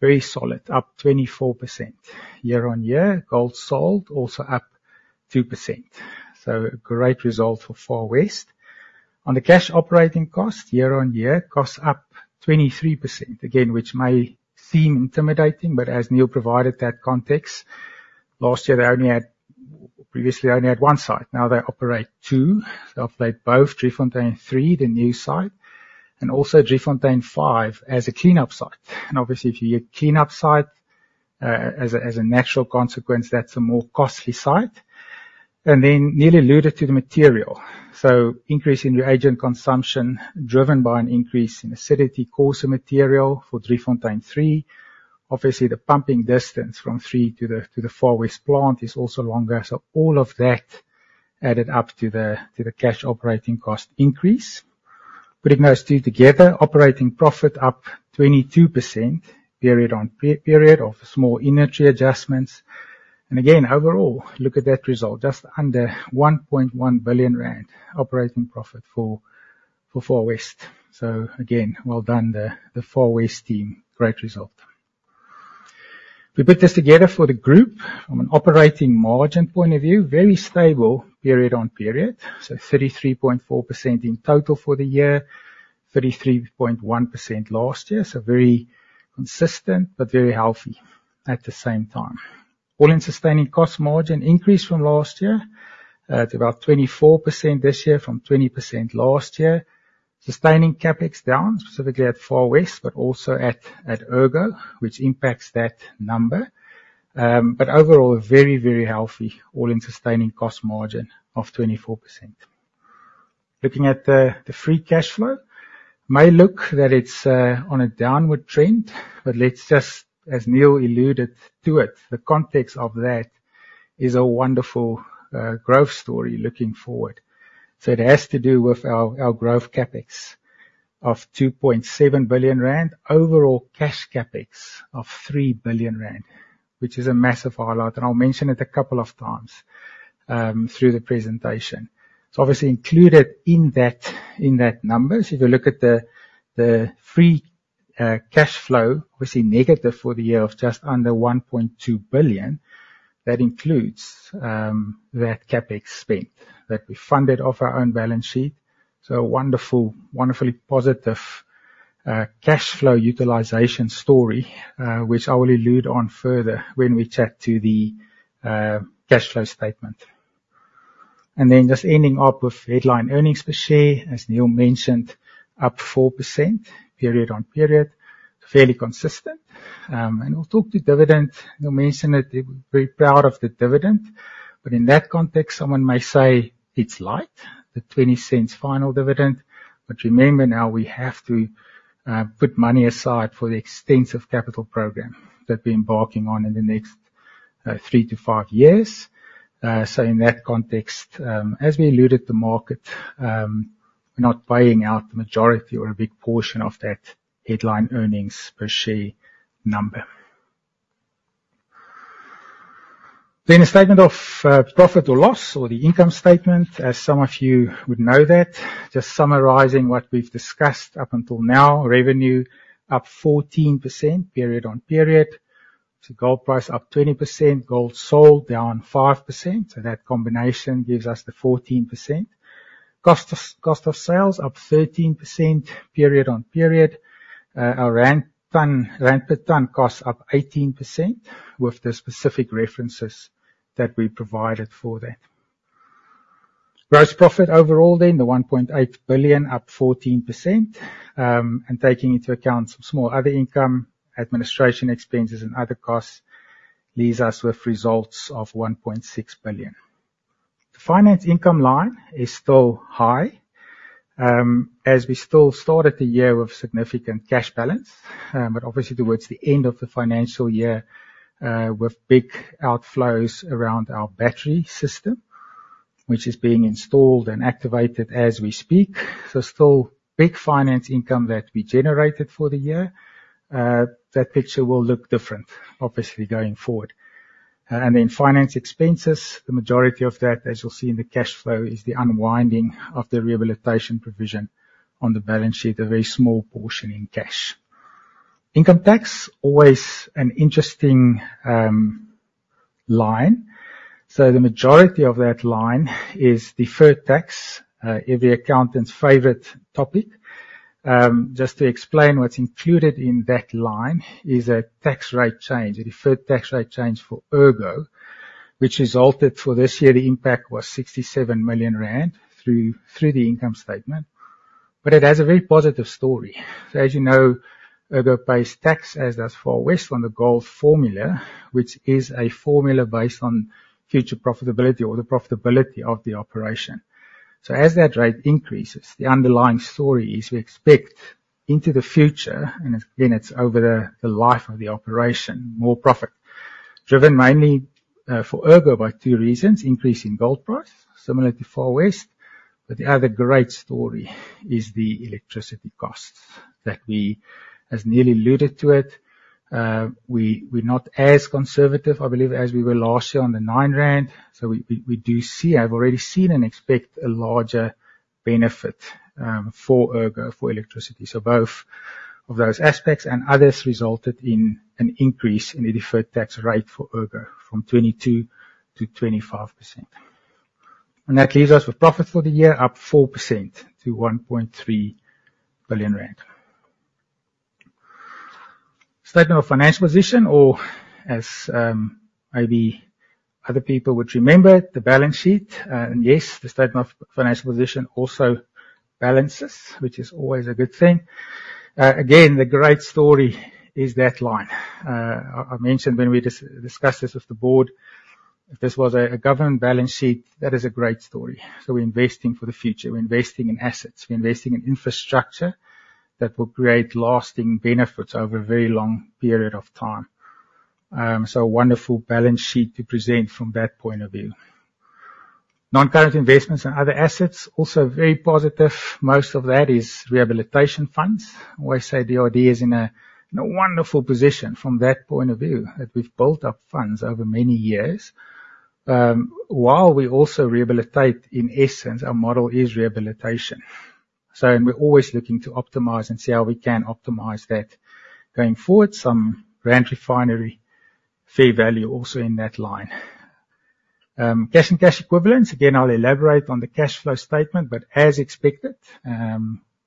very solid, up 24% year-on-year. Gold sold also up 2%, so a great result for Far West. On the cash operating cost, year-on-year, costs up 23%. Again, which may seem intimidating, but as Niël provided that context, last year, they only had one site previously, now they operate two. They operate both Driefontein 3, the new site, and also Driefontein 5, as a cleanup site. And obviously, if you have a cleanup site, as a natural consequence, that's a more costly site. And then Niël alluded to the material. So increase in reagent consumption, driven by an increase in acidity, coarser material for Driefontein 3. Obviously, the pumping distance from three to the Far West plant is also longer. So all of that added up to the cash operating cost increase. Putting those two together, operating profit up 22% period-on-period of small energy adjustments. And again, overall, look at that result, just under R1.1 billion operating profit for Far West. So again, well done, the Far West team. Great result. If we put this together for the group, from an operating margin point of view, very stable period-on-period, so 33.4% in total for the year, 33.1% last year. Very consistent, but very healthy at the same time. All-in sustaining cost margin increased from last year to about 24% this year from 20% last year. Sustaining CapEx down, specifically at Far West, but also at Ergo, which impacts that number. But overall, very, very healthy all-in sustaining cost margin of 24%. Looking at the free cash flow, may look that it's on a downward trend, but let's just, as Niël alluded to it, the context of that is a wonderful growth story looking forward. So it has to do with our growth CapEx of 2.7 billion rand, overall cash CapEx of 3 billion rand, which is a massive highlight, and I'll mention it a couple of times through the presentation. So obviously included in that number, so if you look at the free cash flow, obviously negative for the year of just under 1.2 billion, that includes that CapEx spend, that we funded off our own balance sheet. So a wonderfully positive cash flow utilization story, which I will allude on further when we chat to the cash flow statement. And then just ending up with headline earnings per share, as Niël mentioned, up 4% period-on-period. Fairly consistent. And we'll talk to dividend. Niël mentioned it, they're very proud of the dividend, but in that context, someone may say it's light, the R0.20 final dividend. Remember now, we have to put money aside for the extensive capital program that we're embarking on in the next three to five years. In that context, as we alluded to the market, we're not buying out the majority or a big portion of that headline earnings per share number. Then a statement of profit or loss, or the income statement, as some of you would know that. Just summarizing what we've discussed up until now, revenue up 14%, period on period. Gold price up 20%, gold sold down 5%, so that combination gives us the 14%. Cost of sales up 13%, period on period. Our Rand/ton, Rand per ton cost up 18%, with the specific references that we provided for that. Gross profit overall, then the R1.8 billion, up 14%, and taking into account some small other income, administration expenses and other costs, leaves us with results of R1.6 billion. The finance income line is still high, as we still started the year with significant cash balance, but obviously towards the end of the financial year, with big outflows around our battery system, which is being installed and activated as we speak, so still big finance income that we generated for the year. That picture will look different, obviously, going forward. And then finance expenses, the majority of that, as you'll see in the cash flow, is the unwinding of the rehabilitation provision on the balance sheet, a very small portion in cash. Income tax, always an interesting line. So the majority of that line is deferred tax, every accountant's favorite topic. Just to explain, what's included in that line is a tax rate change, a deferred tax rate change for Ergo, which resulted for this year, the impact was 67 million rand through the income statement. But it has a very positive story. So as you know, Ergo pays tax, as does Far West, on the gold formula, which is a formula based on future profitability or the profitability of the operation. As that rate increases, the underlying story is we expect into the future, and again, it's over the life of the operation, more profit. Driven mainly for Ergo by two reasons: increase in gold price, similar to Far West. But the other great story is the electricity costs that we, as Niël alluded to it, we're not as conservative, I believe, as we were last year on the 9 rand. So we do see. I've already seen and expect a larger benefit for Ergo for electricity. So both of those aspects and others resulted in an increase in the deferred tax rate for Ergo from 22% to 25%. And that leaves us with profit for the year, up 4% to 1.3 billion rand. Statement of financial position or as, maybe other people would remember, the balance sheet, and yes, the statement of financial position also balances, which is always a good thing. Again, the great story is that line. I mentioned when we discussed this with the board, if this was a government balance sheet, that is a great story, so we're investing for the future, we're investing in assets, we're investing in infrastructure that will create lasting benefits over a very long period of time, so a wonderful balance sheet to present from that point of view. Non-current investments and other assets, also very positive. Most of that is rehabilitation funds. I always say DRD is in a wonderful position from that point of view, that we've built up funds over many years, while we also rehabilitate. In essence, our model is rehabilitation. We're always looking to optimize and see how we can optimize that going forward. Some Rand Refinery fair value also in that line. Cash and cash equivalents, again, I'll elaborate on the cash flow statement, but as expected,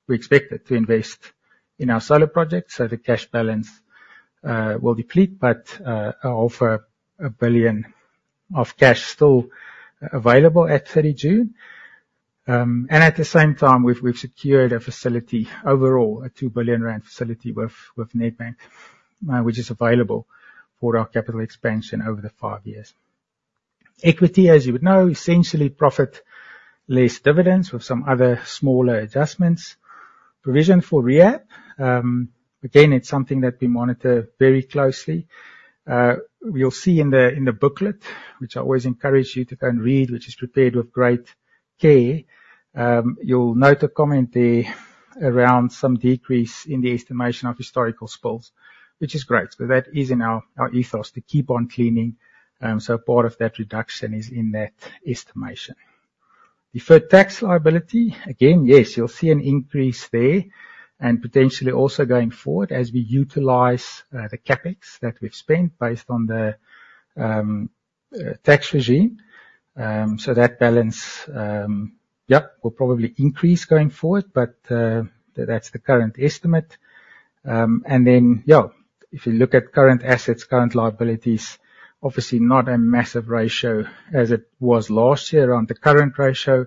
we expected to invest in our solar project, so the cash balance will deplete, but over a billion of cash still available at 30 June. And at the same time, we've secured a facility overall, a 2 billion rand facility with Nedbank, which is available for our capital expansion over the five years. Equity, as you would know, essentially profit less dividends with some other smaller adjustments. Provision for rehab, again, it's something that we monitor very closely. We'll see in the booklet, which I always encourage you to go and read, which is prepared with great care. You'll note a comment there around some decrease in the estimation of historical spills, which is great, but that is in our ethos, to keep on cleaning, so part of that reduction is in that estimation. Deferred tax liability, again, yes, you'll see an increase there, and potentially also going forward as we utilize the CapEx that we've spent based on the tax regime. So that balance, yep, will probably increase going forward, but that's the current estimate. And then, yeah, if you look at current assets, current liabilities, obviously not a massive ratio as it was last year on the current ratio,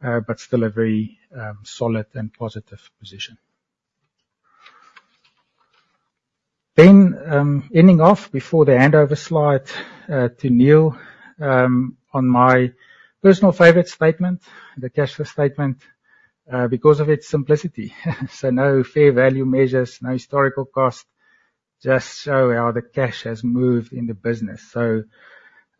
but still a very solid and positive position. Then, ending off before the handover slide to Niël on my personal favorite statement, the cash flow statement because of its simplicity. So no fair value measures, no historical cost, just show how the cash has moved in the business. So,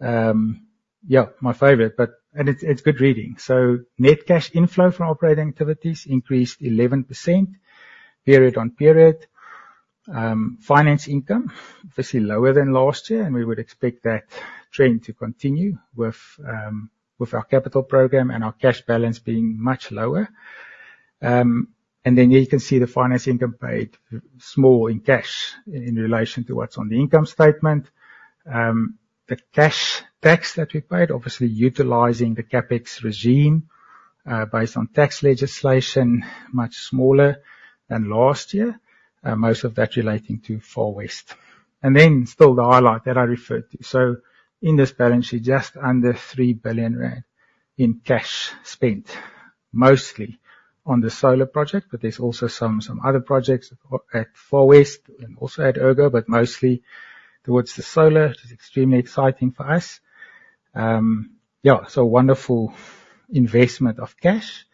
yeah, my favorite, but... And it's, it's good reading. So net cash inflow from operating activities increased 11% period-on-period. Finance income, obviously lower than last year, and we would expect that trend to continue with our capital program and our cash balance being much lower. And then you can see the finance income paid small in cash in relation to what's on the income statement. The cash tax that we paid, obviously utilizing the CapEx regime based on tax legislation, much smaller than last year, most of that relating to Far West. And then still the highlight that I referred to. So in this balance sheet, just under 3 billion rand in cash spent, mostly on the solar project, but there's also some other projects at Far West and also at Ergo, but mostly towards the solar, which is extremely exciting for us. Yeah, so wonderful investment of cash.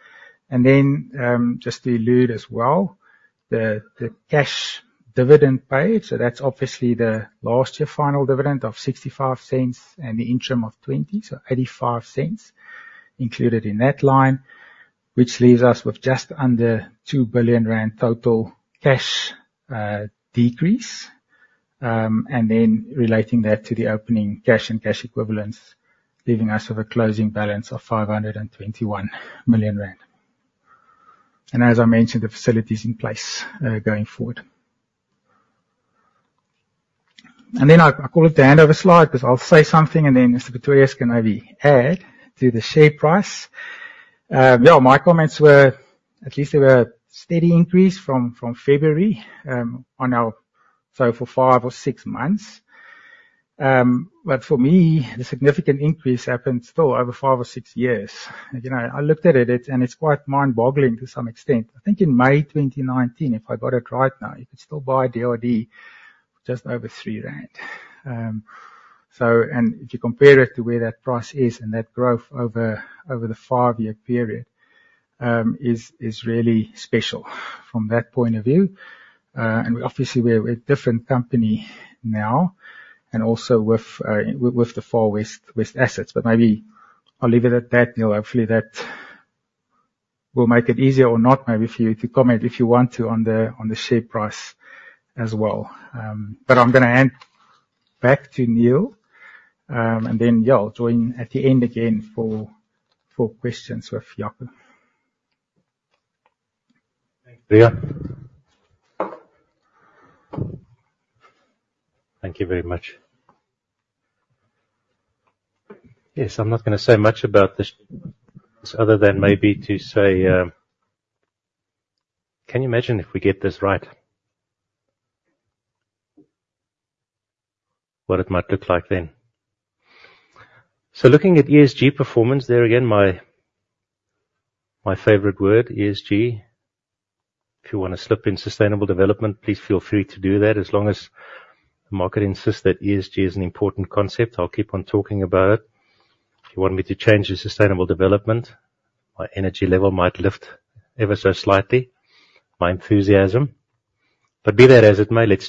And then, just to allude as well, the cash dividend paid, so that's obviously the last year final dividend of 0.65 and the interim of 0.20, so 0.85 included in that line, which leaves us with just under 2 billion rand total cash decrease. And then relating that to the opening cash and cash equivalents, leaving us with a closing balance of 521 million rand. And as I mentioned, the facilities in place, going forward. And then I call it the handover slide, because I'll say something and then Mr. Pretorius can maybe add to the share price. Yeah, my comments were, at least there were a steady increase from February, so for five or six months. But for me, the significant increase happened still over five or six years. You know, I looked at it, and it's quite mind-boggling to some extent. I think in May 2019, if I got it right now, you could still buy DRD just over three rand. So, and if you compare it to where that price is and that growth over the five-year period is really special from that point of view. And obviously, we're a different company now, and also with the Far West assets. But maybe I'll leave it at that, Niël. Hopefully, that will make it easier or not, maybe for you to comment if you want to, on the share price as well. But I'm gonna hand back to Niël, and then, yeah, I'll join at the end again for questions with Jaco. Thanks, Riaan. Thank you very much. Yes, I'm not gonna say much about this other than maybe to say, can you imagine if we get this right? What it might look like then. So looking at ESG performance, there again, my, my favorite word, ESG. If you want to slip in sustainable development, please feel free to do that, as long as the market insists that ESG is an important concept, I'll keep on talking about it. If you want me to change the sustainable development, my energy level might lift ever so slightly, my enthusiasm. But be that as it may, let's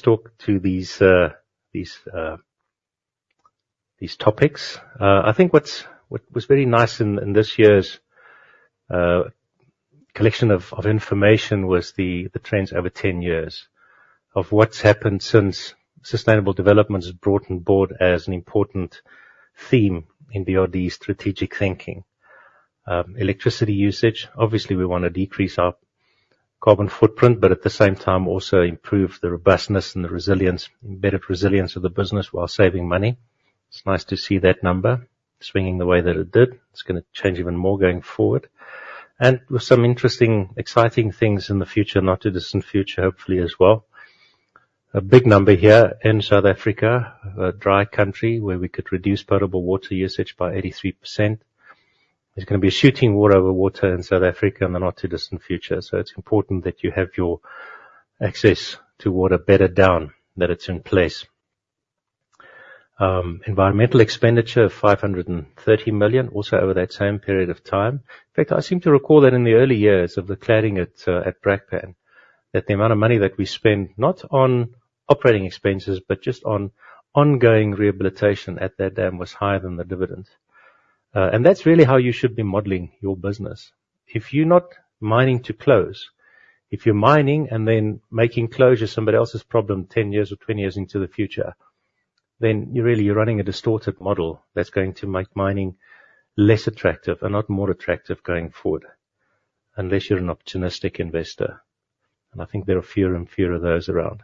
talk through these topics. I think what was very nice in this year's collection of information was the trends over 10 years of what's happened since sustainable development was brought on board as an important theme in the DRD's strategic thinking. Electricity usage, obviously, we want to decrease our carbon footprint, but at the same time, also improve the robustness and the resilience, better resilience of the business while saving money. It's nice to see that number swinging the way that it did. It's gonna change even more going forward. And with some interesting, exciting things in the future, not too distant future, hopefully, as well. A big number here in South Africa, a dry country where we could reduce potable water usage by 83%. There's gonna be a shooting war over water in South Africa in the not too distant future, so it's important that you have your access to water buttoned down, that it's in place. Environmental expenditure, 530 million, also over that same period of time. In fact, I seem to recall that in the early years of the cleaning at Brakpan, that the amount of money that we spent, not on operating expenses, but just on ongoing rehabilitation at that dam, was higher than the dividends and that's really how you should be modeling your business. If you're not mining to close, if you're mining and then making closure somebody else's problem ten years or twenty years into the future, then you're really, you're running a distorted model that's going to make mining less attractive and not more attractive going forward, unless you're an opportunistic investor, and I think there are fewer and fewer of those around.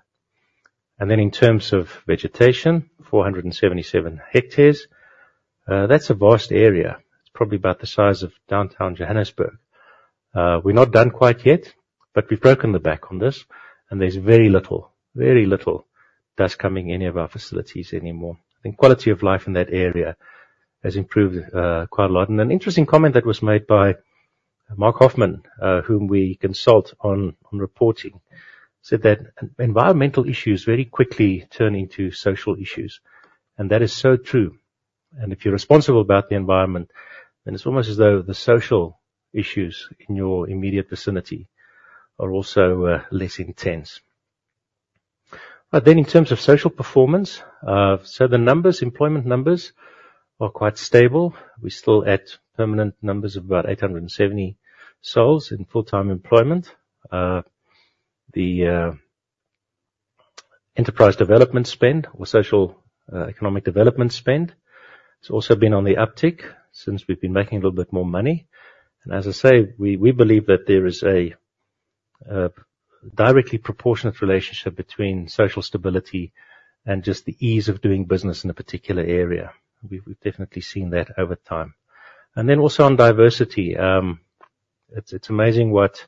And then in terms of vegetation, four hundred and seventy-seven hectares, that's a vast area. It's probably about the size of downtown Johannesburg. We're not done quite yet, but we've broken the back on this, and there's very little, very little dust coming in any of our facilities anymore. I think quality of life in that area has improved, quite a lot. An interesting comment that was made by Mark Hoffman, whom we consult on reporting, said that environmental issues very quickly turn into social issues, and that is so true. If you're responsible about the environment, then it's almost as though the social issues in your immediate vicinity are also less intense. Then, in terms of social performance, so the numbers, employment numbers are quite stable. We're still at permanent numbers of about 870 souls in full-time employment. The enterprise development spend or socio-economic development spend has also been on the uptick since we've been making a little bit more money. And as I say, we believe that there is a directly proportionate relationship between social stability and just the ease of doing business in a particular area. We've definitely seen that over time. And then also on diversity, it's amazing what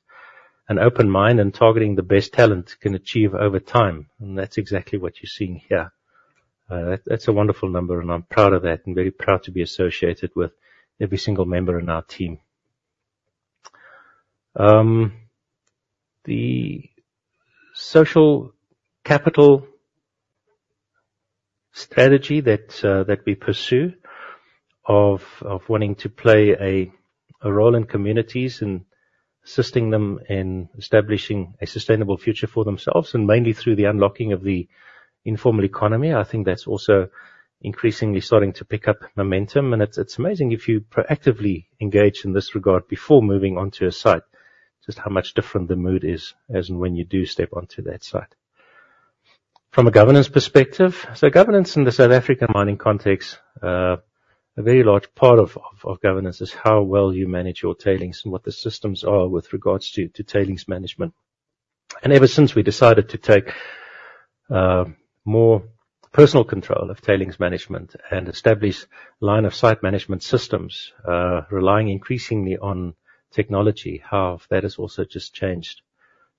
an open mind and targeting the best talent can achieve over time, and that's exactly what you're seeing here. That's a wonderful number, and I'm proud of that, and very proud to be associated with every single member in our team. The social capital strategy that we pursue of wanting to play a role in communities and assisting them in establishing a sustainable future for themselves, and mainly through the unlocking of the informal economy, I think that's also increasingly starting to pick up momentum. And it's amazing if you proactively engage in this regard before moving on to a site, just how much different the mood is as and when you do step onto that site. From a governance perspective, so governance in the South African mining context, a very large part of governance is how well you manage your tailings and what the systems are with regards to tailings management. And ever since we decided to take more personal control of tailings management and establish line of sight management systems, relying increasingly on technology, how that has also just changed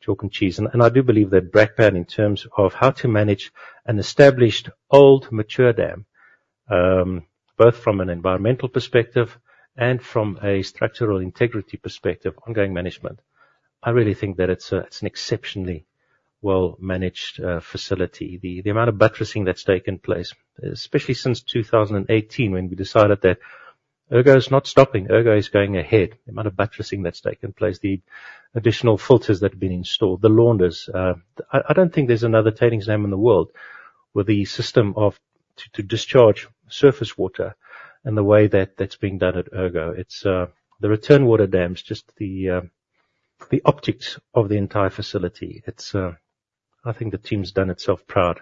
chalk and cheese. And I do believe that Brakpan, in terms of how to manage an established, old, mature dam, both from an environmental perspective and from a structural integrity perspective, ongoing management, I really think that it's an exceptionally well-managed facility. The amount of buttressing that's taken place, especially since 2018, when we decided that Ergo is not stopping, Ergo is going ahead. The amount of buttressing that's taken place, the additional filters that have been installed, the launders. I don't think there's another tailings dam in the world with the system to discharge surface water and the way that that's being done at Ergo. It's the return water dams, just the optics of the entire facility. It's. I think the team's done itself proud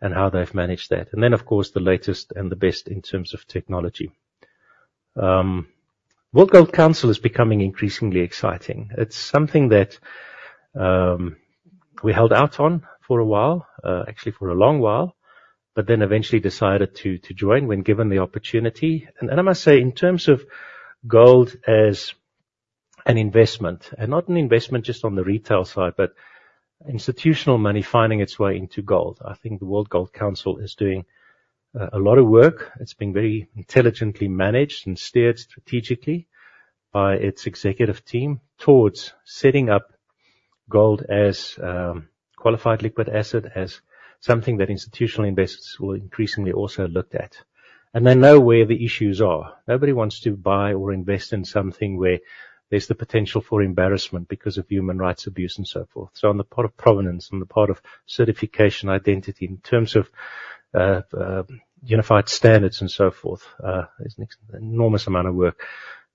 in how they've managed that. And then, of course, the latest and the best in terms of technology. World Gold Council is becoming increasingly exciting. It's something that we held out on for a while, actually for a long while, but then eventually decided to join when given the opportunity. I must say, in terms of gold as an investment, and not an investment just on the retail side, but institutional money finding its way into gold, I think the World Gold Council is doing a lot of work. It's been very intelligently managed and steered strategically by its executive team towards setting up gold as qualified liquid asset, as something that institutional investors will increasingly also looked at. And they know where the issues are. Nobody wants to buy or invest in something where there's the potential for embarrassment because of human rights abuse and so forth. So on the part of provenance, on the part of certification, identity, in terms of unified standards and so forth, there's an enormous amount of work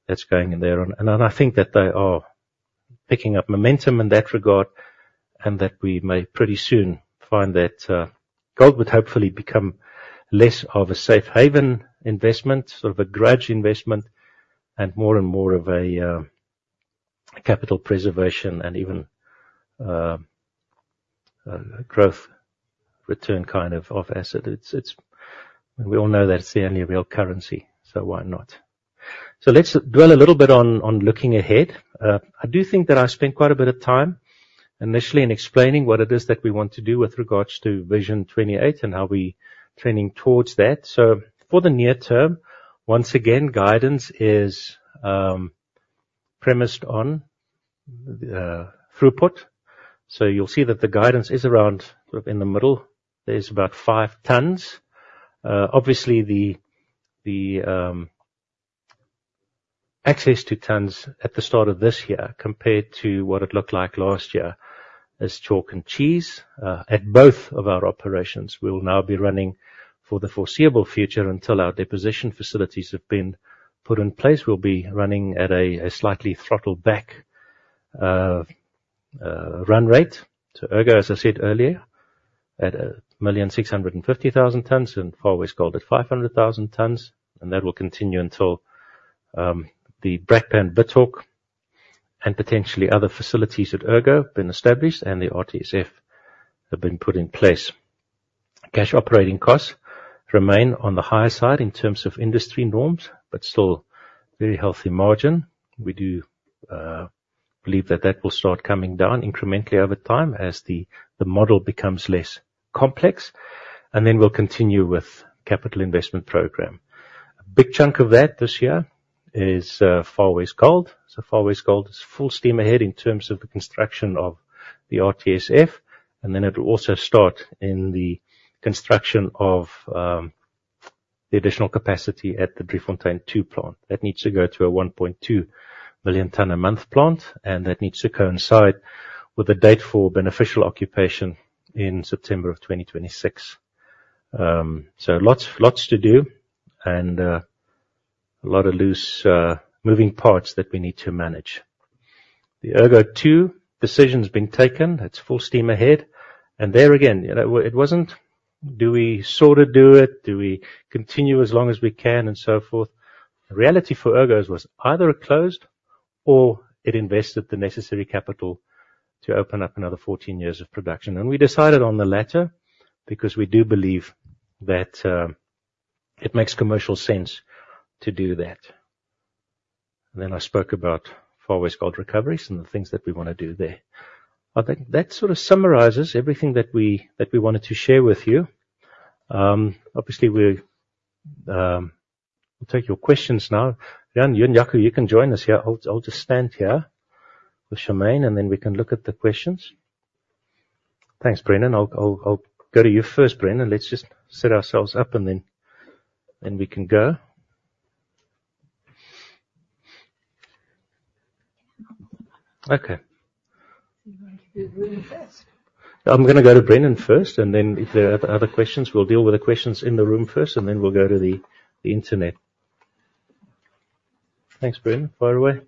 that's going in there. I think that they are picking up momentum in that regard, and that we may pretty soon find that gold would hopefully become less of a safe haven investment, sort of a grudge investment, and more and more of a capital preservation and even growth return kind of asset. It's... We all know that it's the only real currency, so why not? Let's dwell a little bit on looking ahead. I do think that I spent quite a bit of time initially in explaining what it is that we want to do with regards to Vision 2028 and how we're trending towards that. For the near term, once again, guidance is premised on the throughput. You'll see that the guidance is around, sort of in the middle. There's about five tons. Obviously, the access to tons at the start of this year, compared to what it looked like last year, is chalk and cheese. At both of our operations, we'll now be running for the foreseeable future, until our deposition facilities have been put in place. We'll be running at a slightly throttled back run rate. So Ergo, as I said earlier, at a million six hundred and fifty thousand tons and Far West Gold at five hundred thousand tons, and that will continue until the Brakpan Withok and potentially other facilities at Ergo have been established and the RTSF have been put in place. Cash operating costs remain on the higher side in terms of industry norms, but still very healthy margin. We do believe that that will start coming down incrementally over time as the model becomes less complex, and then we'll continue with capital investment program. A big chunk of that this year is Far West Gold, so Far West Gold is full steam ahead in terms of the construction of the RTSF, and then it will also start in the construction of the additional capacity at the Driefontein 2 plant. That needs to go to a 1.2 million ton a month plant, and that needs to coincide with the date for beneficial occupation in September of 2026. So lots, lots to do, and a lot of loose moving parts that we need to manage. The Ergo 2 decision's been taken. It's full steam ahead, and there again, you know, it wasn't, do we sort of do it? Do we continue as long as we can, and so forth? The reality for Ergo's was either it closed or it invested the necessary capital to open up another fourteen years of production. And we decided on the latter because we do believe that it makes commercial sense to do that. And then I spoke about Far West Gold Recoveries and the things that we wanna do there. I think that sort of summarizes everything that we wanted to share with you. Obviously, we'll take your questions now. Riaan and Jaco, you can join us here. I'll just stand here with e, and then we can look at the questions. Thanks, Brendan. I'll go to you first, Brendan. Let's just set ourselves up, and then we can go. Okay. Do you want to do Brendan first? I'm gonna go to Brendan first, and then if there are other questions, we'll deal with the questions in the room first, and then we'll go to the internet. Thanks, Brendan. Fire away.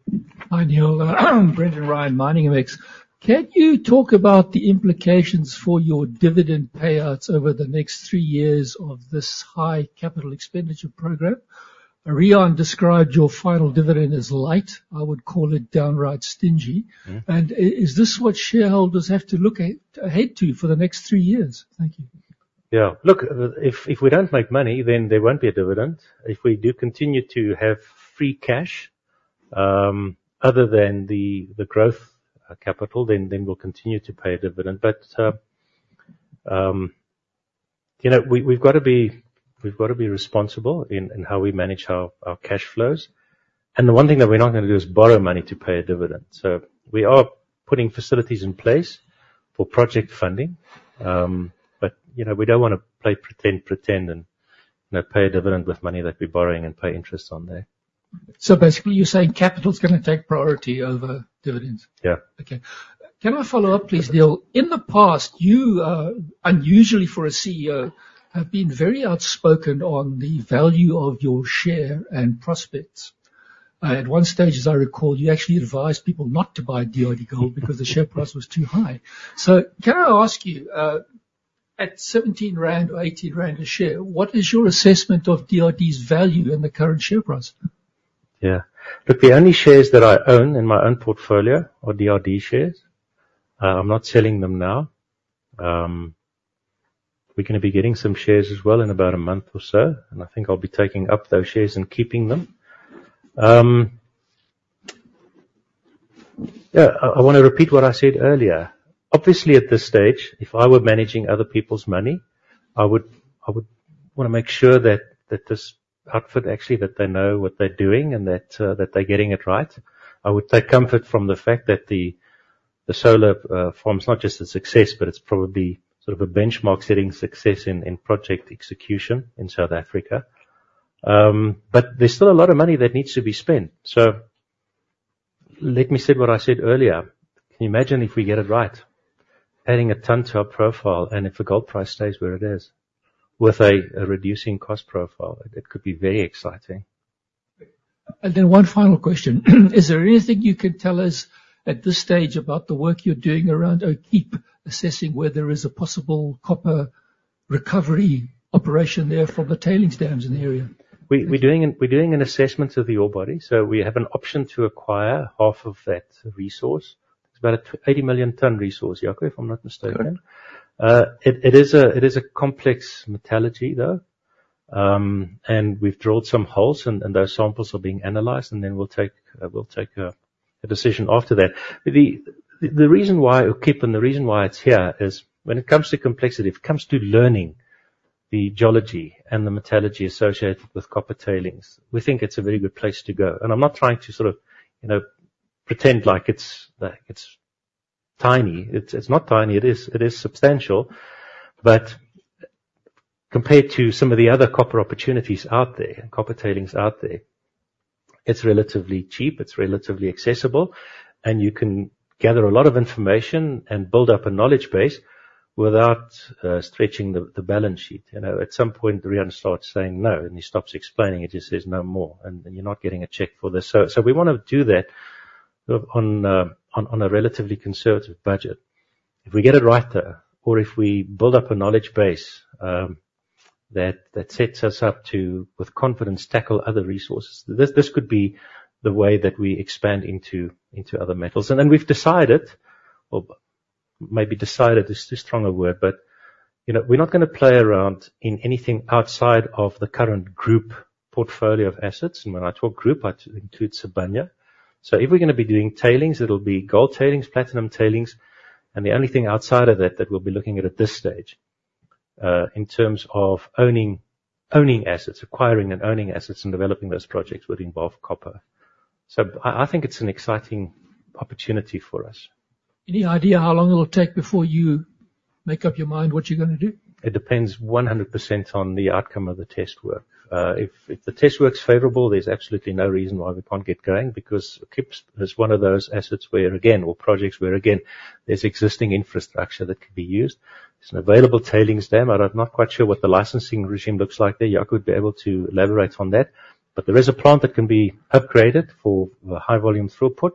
Hi, Niël. Brendan Ryan, MiningMX. Can you talk about the implications for your dividend payouts over the next three years of this high capital expenditure program? Riaan described your final dividend as light. I would call it downright stingy. Mm-hmm. Is this what shareholders have to look at ahead to for the next three years? Thank you. Yeah. Look, if we don't make money, then there won't be a dividend. If we do continue to have free cash, other than the growth capital, then we'll continue to pay a dividend. But, you know, we've got to be responsible in how we manage our cash flows. And the one thing that we're not gonna do is borrow money to pay a dividend. So we are putting facilities in place for project funding, but, you know, we don't wanna play pretend and pay a dividend with money that we're borrowing and pay interest on there. So basically, you're saying capital is gonna take priority over dividends? Yeah. Okay. Can I follow up, please, Niël? In the past you, unusually for a CEO, have been very outspoken on the value of your share and prospects. At one stage, as I recall, you actually advised people not to buy DRDGOLD because the share price was too high. So can I ask you, at seventeen rand or eighteen rand a share, what is your assessment of DRDGOLD's value in the current share price? Yeah. Look, the only shares that I own in my own portfolio are DRD shares. I'm not selling them now. We're gonna be getting some shares as well in about a month or so, and I think I'll be taking up those shares and keeping them. Yeah, I wanna repeat what I said earlier. Obviously, at this stage, if I were managing other people's money, I would wanna make sure that this outfit, actually, that they know what they're doing and that they're getting it right. I would take comfort from the fact that the solar farm is not just a success, but it's probably sort of a benchmark-setting success in project execution in South Africa. But there's still a lot of money that needs to be spent. So let me say what I said earlier. Can you imagine if we get it right, adding a ton to our profile, and if the gold price stays where it is with a reducing cost profile? It could be very exciting. And then one final question. Is there anything you can tell us at this stage about the work you're doing around Okiep, assessing whether there is a possible copper recovery operation there from the tailings dams in the area? We're doing an assessment of the ore body, so we have an option to acquire half of that resource. It's about an 80 million ton resource, Jaco, if I'm not mistaken. Okay. It is a complex metallurgy, though, and we've drilled some holes, and those samples are being analyzed, and then we'll take a decision after that. But the reason why Okiep and the reason why it's here is when it comes to complexity, when it comes to learning the geology and the metallurgy associated with copper tailings, we think it's a very good place to go. And I'm not trying to sort of, you know, pretend like it's tiny. It's not tiny. It is substantial, but compared to some of the other copper opportunities out there and copper tailings out there, it's relatively cheap, it's relatively accessible, and you can gather a lot of information and build up a knowledge base without stretching the balance sheet. You know, at some point, Riaan starts saying, "No," and he stops explaining it. He just says, "No more," and then you're not getting a check for this. So we wanna do that on a relatively conservative budget. If we get it right, though, or if we build up a knowledge base, that sets us up to, with confidence, tackle other resources. This could be the way that we expand into other metals. And then we've decided, or maybe decided is a stronger word, but, you know, we're not gonna play around in anything outside of the current group portfolio of assets. And when I talk group, I include Sibanye. So if we're gonna be doing tailings, it'll be gold tailings, platinum tailings, and the only thing outside of that, that we'll be looking at at this stage, in terms of owning assets, acquiring and owning assets and developing those projects, would involve copper. So I think it's an exciting opportunity for us. Any idea how long it will take before you make up your mind what you're gonna do? It depends 100% on the outcome of the test work. If the test work's favorable, there's absolutely no reason why we can't get going, because Okiep is one of those assets where, again, or projects where, again, there's existing infrastructure that could be used. There's an available tailings dam, but I'm not quite sure what the licensing regime looks like there. Jaco would be able to elaborate on that. But there is a plant that can be upgraded for the high volume throughput,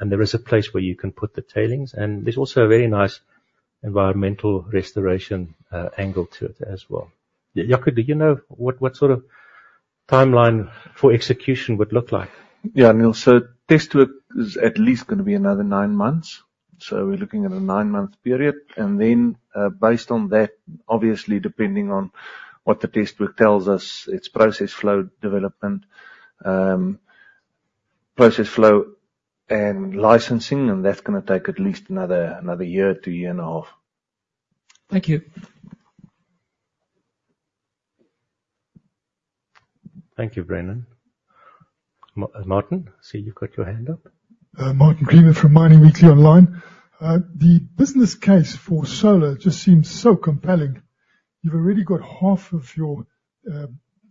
and there is a place where you can put the tailings. And there's also a very nice environmental restoration angle to it as well. Jaco, do you know what sort of timeline for execution would look like? Yeah, Niël. So test work is at least gonna be another nine months, so we're looking at a nine-month period. And then, based on that, obviously, depending on what the test work tells us, its process flow development, process flow and licensing, and that's gonna take at least another year to year and a half. Thank you. Thank you, Brendan. Martin, I see you've got your hand up. Martin Creamer from Mining Weekly Online. The business case for solar just seems so compelling. You've already got half of your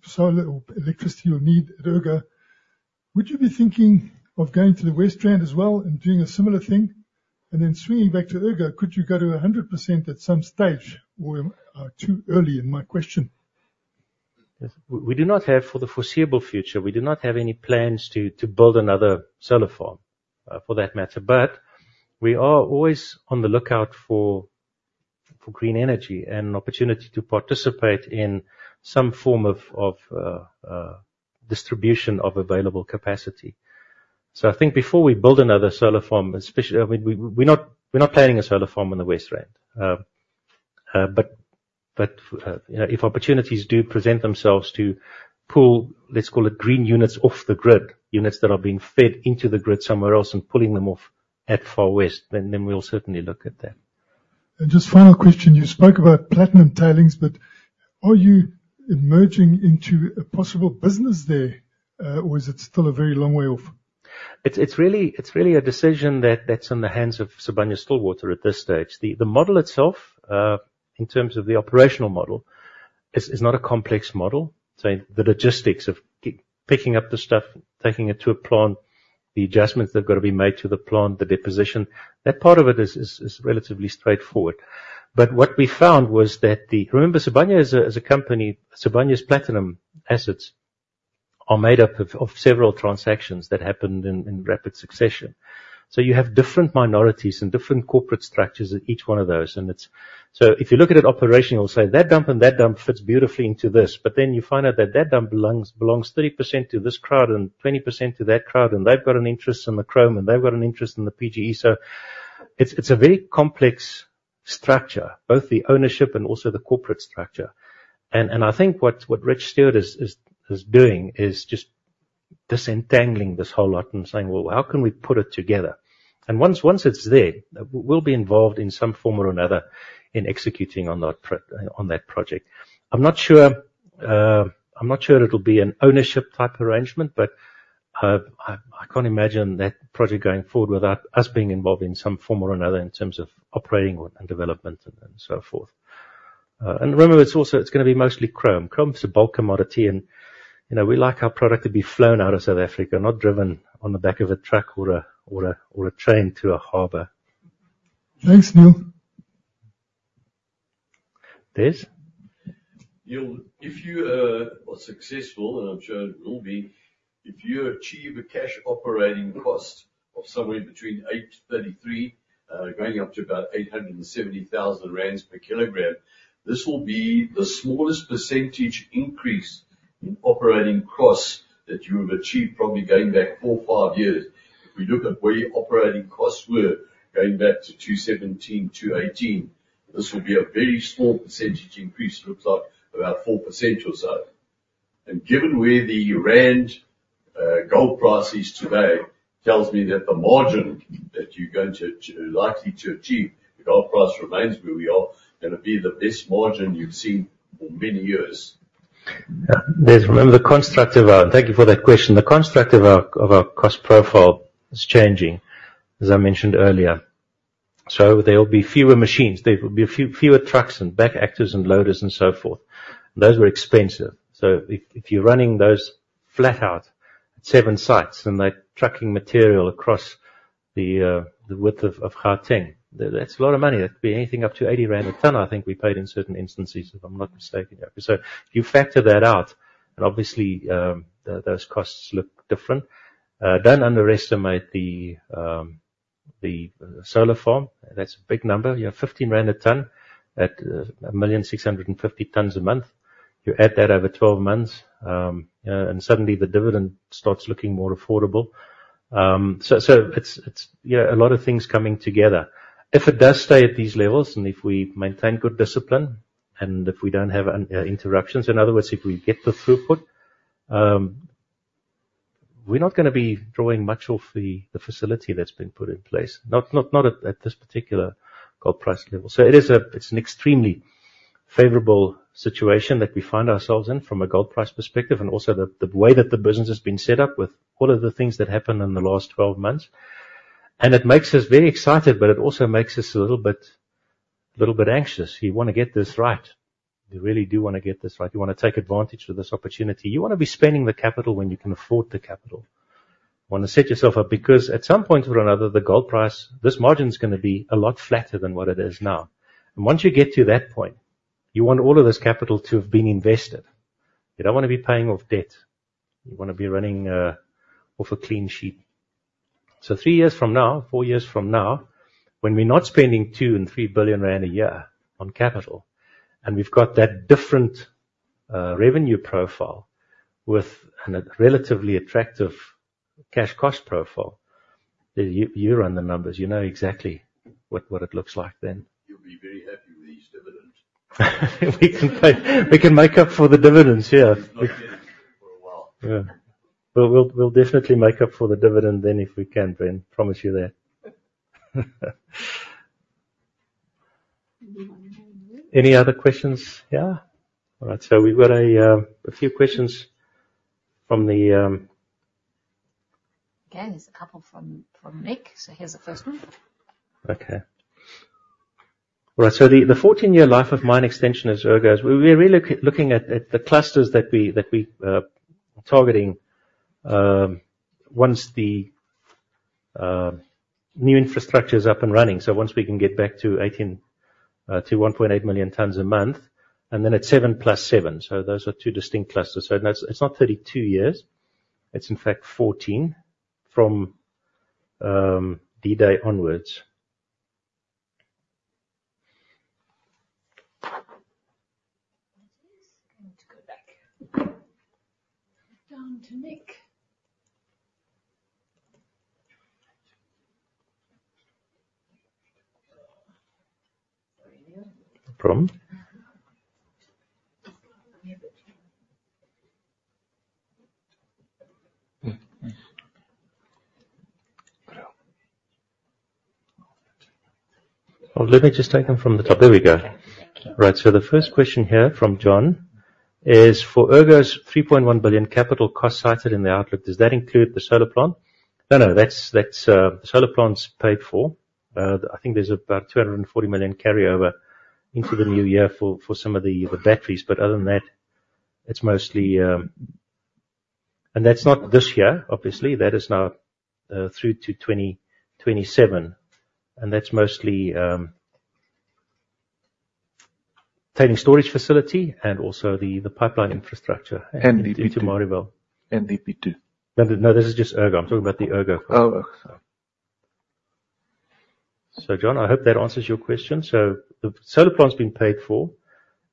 solar or electricity you need at Ergo. Would you be thinking of going to the West Rand as well and doing a similar thing? And then swinging back to Ergo, could you go to 100% at some stage, or am too early in my question? Yes. We do not have... For the foreseeable future, we do not have any plans to build another solar farm, for that matter. But we are always on the lookout for green energy and an opportunity to participate in some form of distribution of available capacity. So I think before we build another solar farm, especially, I mean, we're not planning a solar farm in the West Rand. But you know, if opportunities do present themselves to pull, let's call it, green units off the grid, units that are being fed into the grid somewhere else and pulling them off at Far West, then we'll certainly look at that. And just final question, you spoke about platinum tailings, but are you emerging into a possible business there, or is it still a very long way off? It's really a decision that's in the hands of Sibanye-Stillwater at this stage. The model itself, in terms of the operational model, is not a complex model. Say, the logistics of picking up the stuff, taking it to a plant, the adjustments that have got to be made to the plant, the deposition, that part of it is relatively straightforward. But what we found was that the-- Remember, Sibanye as a company, Sibanye's platinum assets are made up of several transactions that happened in rapid succession. So you have different minorities and different corporate structures in each one of those, and it's... So if you look at it operationally, you'll say, "That dump and that dump fits beautifully into this." But then you find out that that dump belongs 30% to this crowd and 20% to that crowd, and they've got an interest in the chrome, and they've got an interest in the PGE. So it's a very complex structure, both the ownership and also the corporate structure. And I think what Rich Stewart is doing is just disentangling this whole lot and saying, "Well, how can we put it together?" And once it's there, we'll be involved in some form or another in executing on that project. I'm not sure it'll be an ownership type arrangement, but I can't imagine that project going forward without us being involved in some form or another in terms of operating or and development and so forth. And remember, it's gonna be mostly chrome. Chrome is a bulk commodity, and you know, we like our product to be flown out of South Africa, not driven on the back of a truck or a train to a harbor. Thanks, Niël. Des? Niël, if you were successful, and I'm sure it will be, if you achieve a cash operating cost of somewhere between 833,000 going up to about 870,000 rand per kilogram, this will be the smallest percentage increase in operating costs that you have achieved, probably going back four, five years. If we look at where your operating costs were going back to 2017, 2018, this will be a very small percentage increase, it looks like about 4% or so. And given where the rand gold price is today, tells me that the margin that you're likely to achieve, if the gold price remains where we are, gonna be the best margin you've seen for many years. Yeah. Des, remember, the construct of our. Thank you for that question. The construct of our cost profile is changing, as I mentioned earlier. So there will be fewer machines, there will be fewer trucks and back-actors and loaders and so forth. Those were expensive. So if you're running those flat out at seven sites, and they're trucking material across the width of Gauteng, that's a lot of money. That could be anything up to 80 rand a ton, I think we paid in certain instances, if I'm not mistaken. So if you factor that out, and obviously, those costs look different. Don't underestimate the solar farm. That's a big number. You have 15 rand a ton at 1.65 million tons a month. You add that over twelve months, and suddenly the dividend starts looking more affordable. So it's, yeah, a lot of things coming together. If it does stay at these levels, and if we maintain good discipline, and if we don't have an interruptions, in other words, if we get the throughput, we're not gonna be drawing much of the facility that's been put in place, not at this particular gold price level. So it is an extremely favorable situation that we find ourselves in from a gold price perspective, and also the way that the business has been set up with all of the things that happened in the last twelve months. And it makes us very excited, but it also makes us a little bit anxious. You wanna get this right. You really do wanna get this right. You wanna take advantage of this opportunity. You wanna be spending the capital when you can afford the capital. You wanna set yourself up, because at some point or another, the gold price, this margin is gonna be a lot flatter than what it is now. And once you get to that point, you want all of this capital to have been invested. You don't wanna be paying off debt. You wanna be running off a clean sheet. So three years from now, four years from now, when we're not spending two and three billion rand a year on capital, and we've got that different revenue profile with and a relatively attractive cash cost profile, then you run the numbers. You know exactly what it looks like then. You'll be very happy with these dividends. We can make up for the dividends, yeah. There's no dividends for a while. Yeah, but we'll definitely make up for the dividend then, if we can, Brendan. Promise you that. Any other questions? Any other questions? Yeah. All right, so we've got a few questions from the... Again, there's a couple from Nick. So here's the first one. Okay. Right, so the fourteen-year life of mine extension is Ergo. We're really looking at the clusters that we're targeting once the new infrastructure is up and running. So once we can get back to 18 to 1.8 million tons a month, and then it's seven plus seven. So those are two distinct clusters. So that's. It's not 32 years. It's in fact fourteen from the day onwards. I'm going to go back, down to Nick. Sorry. No problem. Yeah, but- Well, let me just take them from the top. There we go. Right. So the first question here from John is: "For Ergo's R3.1 billion capital cost cited in the outlook, does that include the solar plant?" No, no, that's the solar plant's paid for. I think there's about R240 million carryover into the new year for some of the batteries, but other than that, it's mostly. That's not this year, obviously. That is now through to 2027, and that's mostly tailings storage facility and also the pipeline infrastructure. And DP2. To Marievale. And DP2. No, no, this is just Ergo. I'm talking about the Ergo. Oh, Ergo. Sorry. So, John, I hope that answers your question. So the solar plant's been paid for.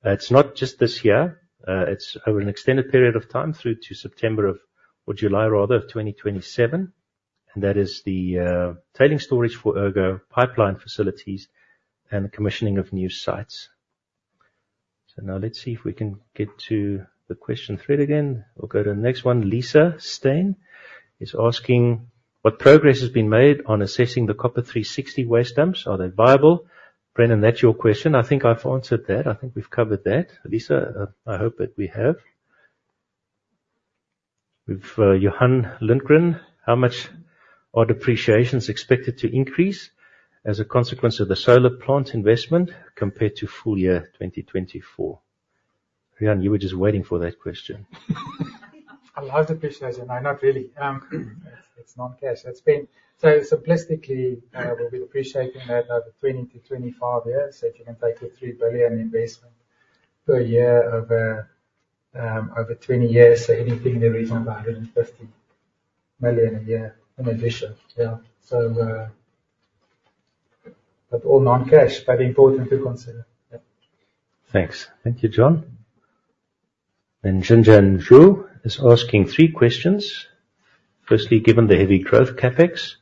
It's not just this year, it's over an extended period of time, through to September of, or July rather, of twenty twenty-seven. And that is the tailings storage for Ergo pipeline facilities and the commissioning of new sites. So now let's see if we can get to the question thread again. We'll go to the next one. Lisa Steyn is asking: "What progress has been made on assessing the Copper 360 waste dumps? Are they viable?" Brendan, that's your question. I think I've answered that. I think we've covered that. Lisa, I hope that we have. We've, Johan Lindgren: "How much are depreciations expected to increase as a consequence of the solar plant investment compared to full year twenty twenty-four?" Johan, you were just waiting for that question. I love depreciation, no, not really. It's non-cash. So simplistically, we'll be depreciating that over 20-25 years. So if you can take your R3 billion investment per year over 20 years, so anything in the region of R150 million a year in addition. Yeah. So, but all non-cash, but important to consider. Yep. Thanks. Thank you, John. Then Jinjiang Zhu is asking three questions. "Firstly, given the heavy growth CapEx,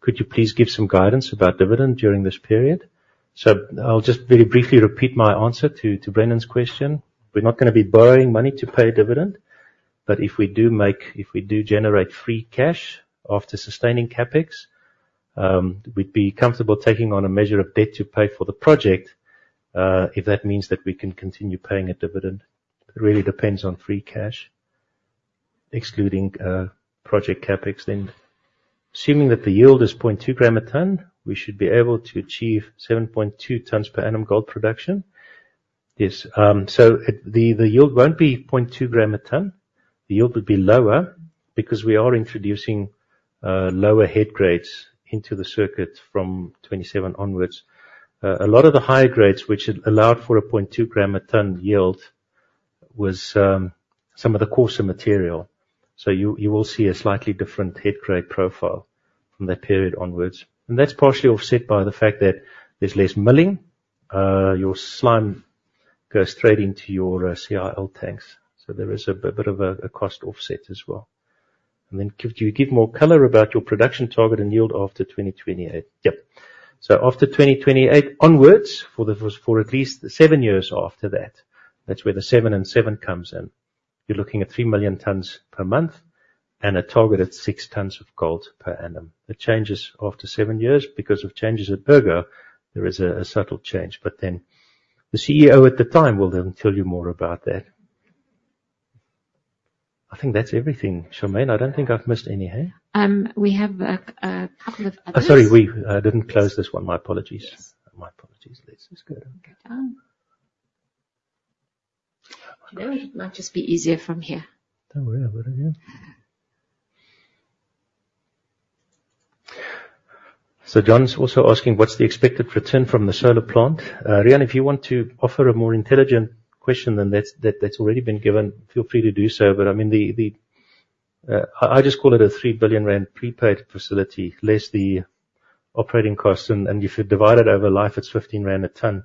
could you please give some guidance about dividend during this period?" So I'll just very briefly repeat my answer to Brendan's question. We're not gonna be borrowing money to pay a dividend, but if we do generate free cash after sustaining CapEx, we'd be comfortable taking on a measure of debt to pay for the project, if that means that we can continue paying a dividend. It really depends on free cash, excluding project CapEx. Then, "Assuming that the yield is point two gram a ton, we should be able to achieve seven point two tons per annum gold production?" Yes. So it, the yield won't be point two gram a ton. The yield will be lower because we are introducing lower head grades into the circuit from twenty-seven onwards. A lot of the higher grades, which had allowed for a point two gram a ton yield, was some of the coarser material. So you will see a slightly different head grade profile from that period onwards. And that's partially offset by the fact that there's less milling. Your slime goes straight into your CIL tanks, so there is a bit of a cost offset as well. And then, "Could you give more color about your production target and yield after twenty twenty-eight?" Yep. So after 2028 onwards, for at least 7 years after that, that's where the seven and seven comes in. You're looking at three million tons per month, and a target at six tons of gold per annum. It changes after seven years because of changes at Ergo. There is a subtle change, but then the CEO at the time will then tell you more about that. I think that's everything, Charmel. I don't think I've missed any, hey? We have a couple of others. Oh, sorry, we didn't close this one. My apologies. Yes. My apologies. Let's just go down. Down. You know, it might just be easier from here. Don't worry, I've got it, yeah. So John's also asking: "What's the expected return from the solar plant?" Riaan, if you want to offer a more intelligent question than that, that's already been given, feel free to do so. But I mean, just call it a 3 billion rand prepaid facility, less the operating costs, and if you divide it over life, it's 15 rand a ton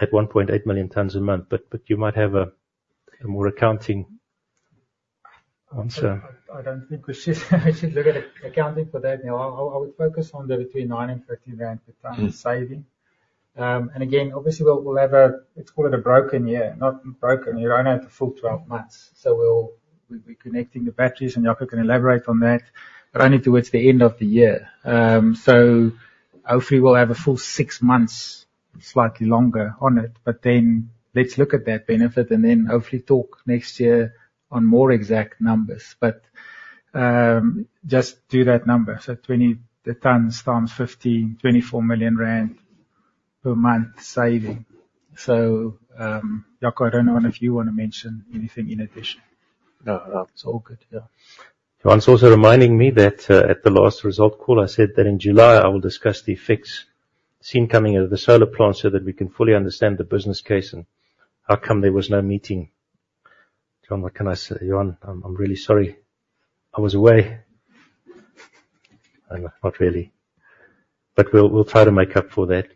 at 1.8 million tons a month. But you might have a more accounting answer. I don't think we should look at accounting for that now. I would focus on the between 9 and 13 rand per ton saving. And again, obviously, we'll have a broken year. Let's call it a broken year. Not broken, you don't have the full 12 months, so we'll be connecting the batteries, and Jaco can elaborate on that, but only towards the end of the year. So hopefully we'll have a full six months, slightly longer on it, but then let's look at that benefit and then hopefully talk next year on more exact numbers. But just do that number. So 20,000 tons times 15, 24 million rand per month saving. So, Jaco, I don't know if you wanna mention anything in addition? No, no. It's all good. Yeah. John's also reminding me that at the last results call, I said that in July I will discuss the effects soon coming out of the solar plant so that we can fully understand the business case and how come there was no meeting. John, what can I say? John, I'm really sorry. I was away, not really. But we'll try to make up for that.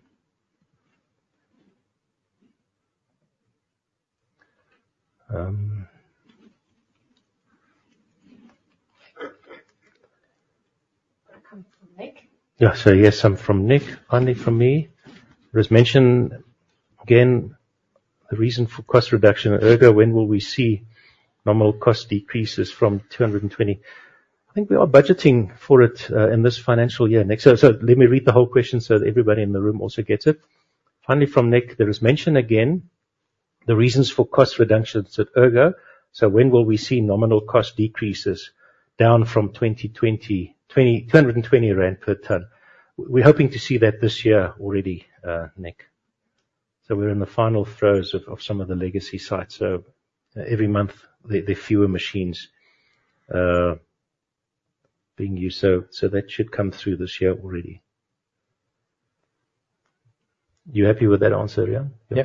Come from Nick. Yeah. So yes, from Nick, only from me. There was mention, again, the reason for cost reduction at Ergo, when will we see normal cost decreases from two hundred and twenty? I think we are budgeting for it, in this financial year, Nick. So let me read the whole question so that everybody in the room also gets it. Finally, from Nick, there is mention again, the reasons for cost reductions at Ergo, so when will we see nominal cost decreases down from two hundred and twenty rand per ton? We're hoping to see that this year already, Nick. So we're in the final throes of some of the legacy sites, so every month, there are fewer machines being used, so that should come through this year already. You happy with that answer, Riaan? Yeah.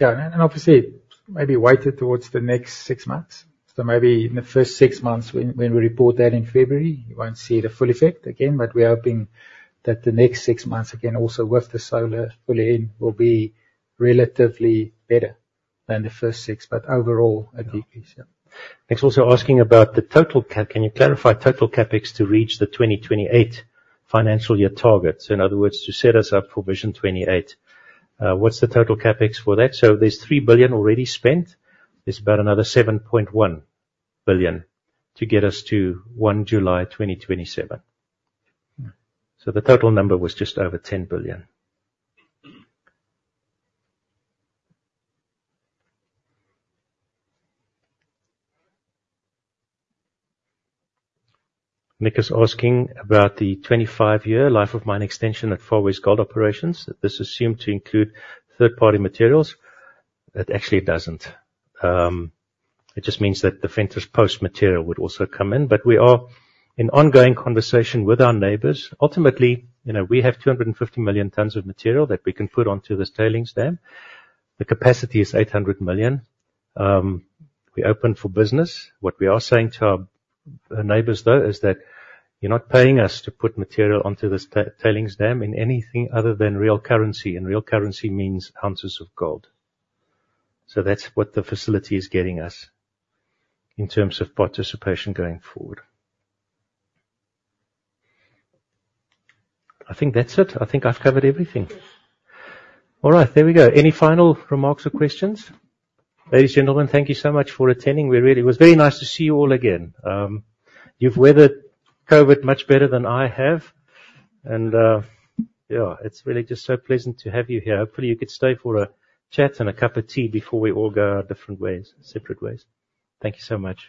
Yeah, and obviously, maybe weighted towards the next six months. So maybe in the first six months, when we report that in February, you won't see the full effect again. But we are hoping that the next six months, again, also with the solar fully in, will be relatively better than the first six, but overall a decrease, yeah. Nick's also asking about the total CapEx. Can you clarify total CapEx to reach the 2028 financial year targets? In other words, to set us up for Vision 2028, what's the total CapEx for that? So there's 3 billion already spent, there's about another 7.1 billion to get us to 1 July 2027. Mm. So the total number was just over 10 billion. Nick is asking about the 25-year life-of-mine extension at Far West Gold Operations. This is assumed to include third-party materials. It actually doesn't. It just means that the Venterspost material would also come in, but we are in ongoing conversation with our neighbors. Ultimately, you know, we have 250 million tons of material that we can put onto this tailings dam. The capacity is 800 million. We're open for business. What we are saying to our neighbors, though, is that you're not paying us to put material onto this tailings dam in anything other than real currency, and real currency means ounces of gold. So that's what the facility is getting us in terms of participation going forward. I think that's it. I think I've covered everything. Yes. All right, there we go. Any final remarks or questions? Ladies and gentlemen, thank you so much for attending. We really... It was very nice to see you all again. You've weathered COVID much better than I have, and, yeah, it's really just so pleasant to have you here. Hopefully, you could stay for a chat and a cup of tea before we all go our different ways, separate ways. Thank you so much.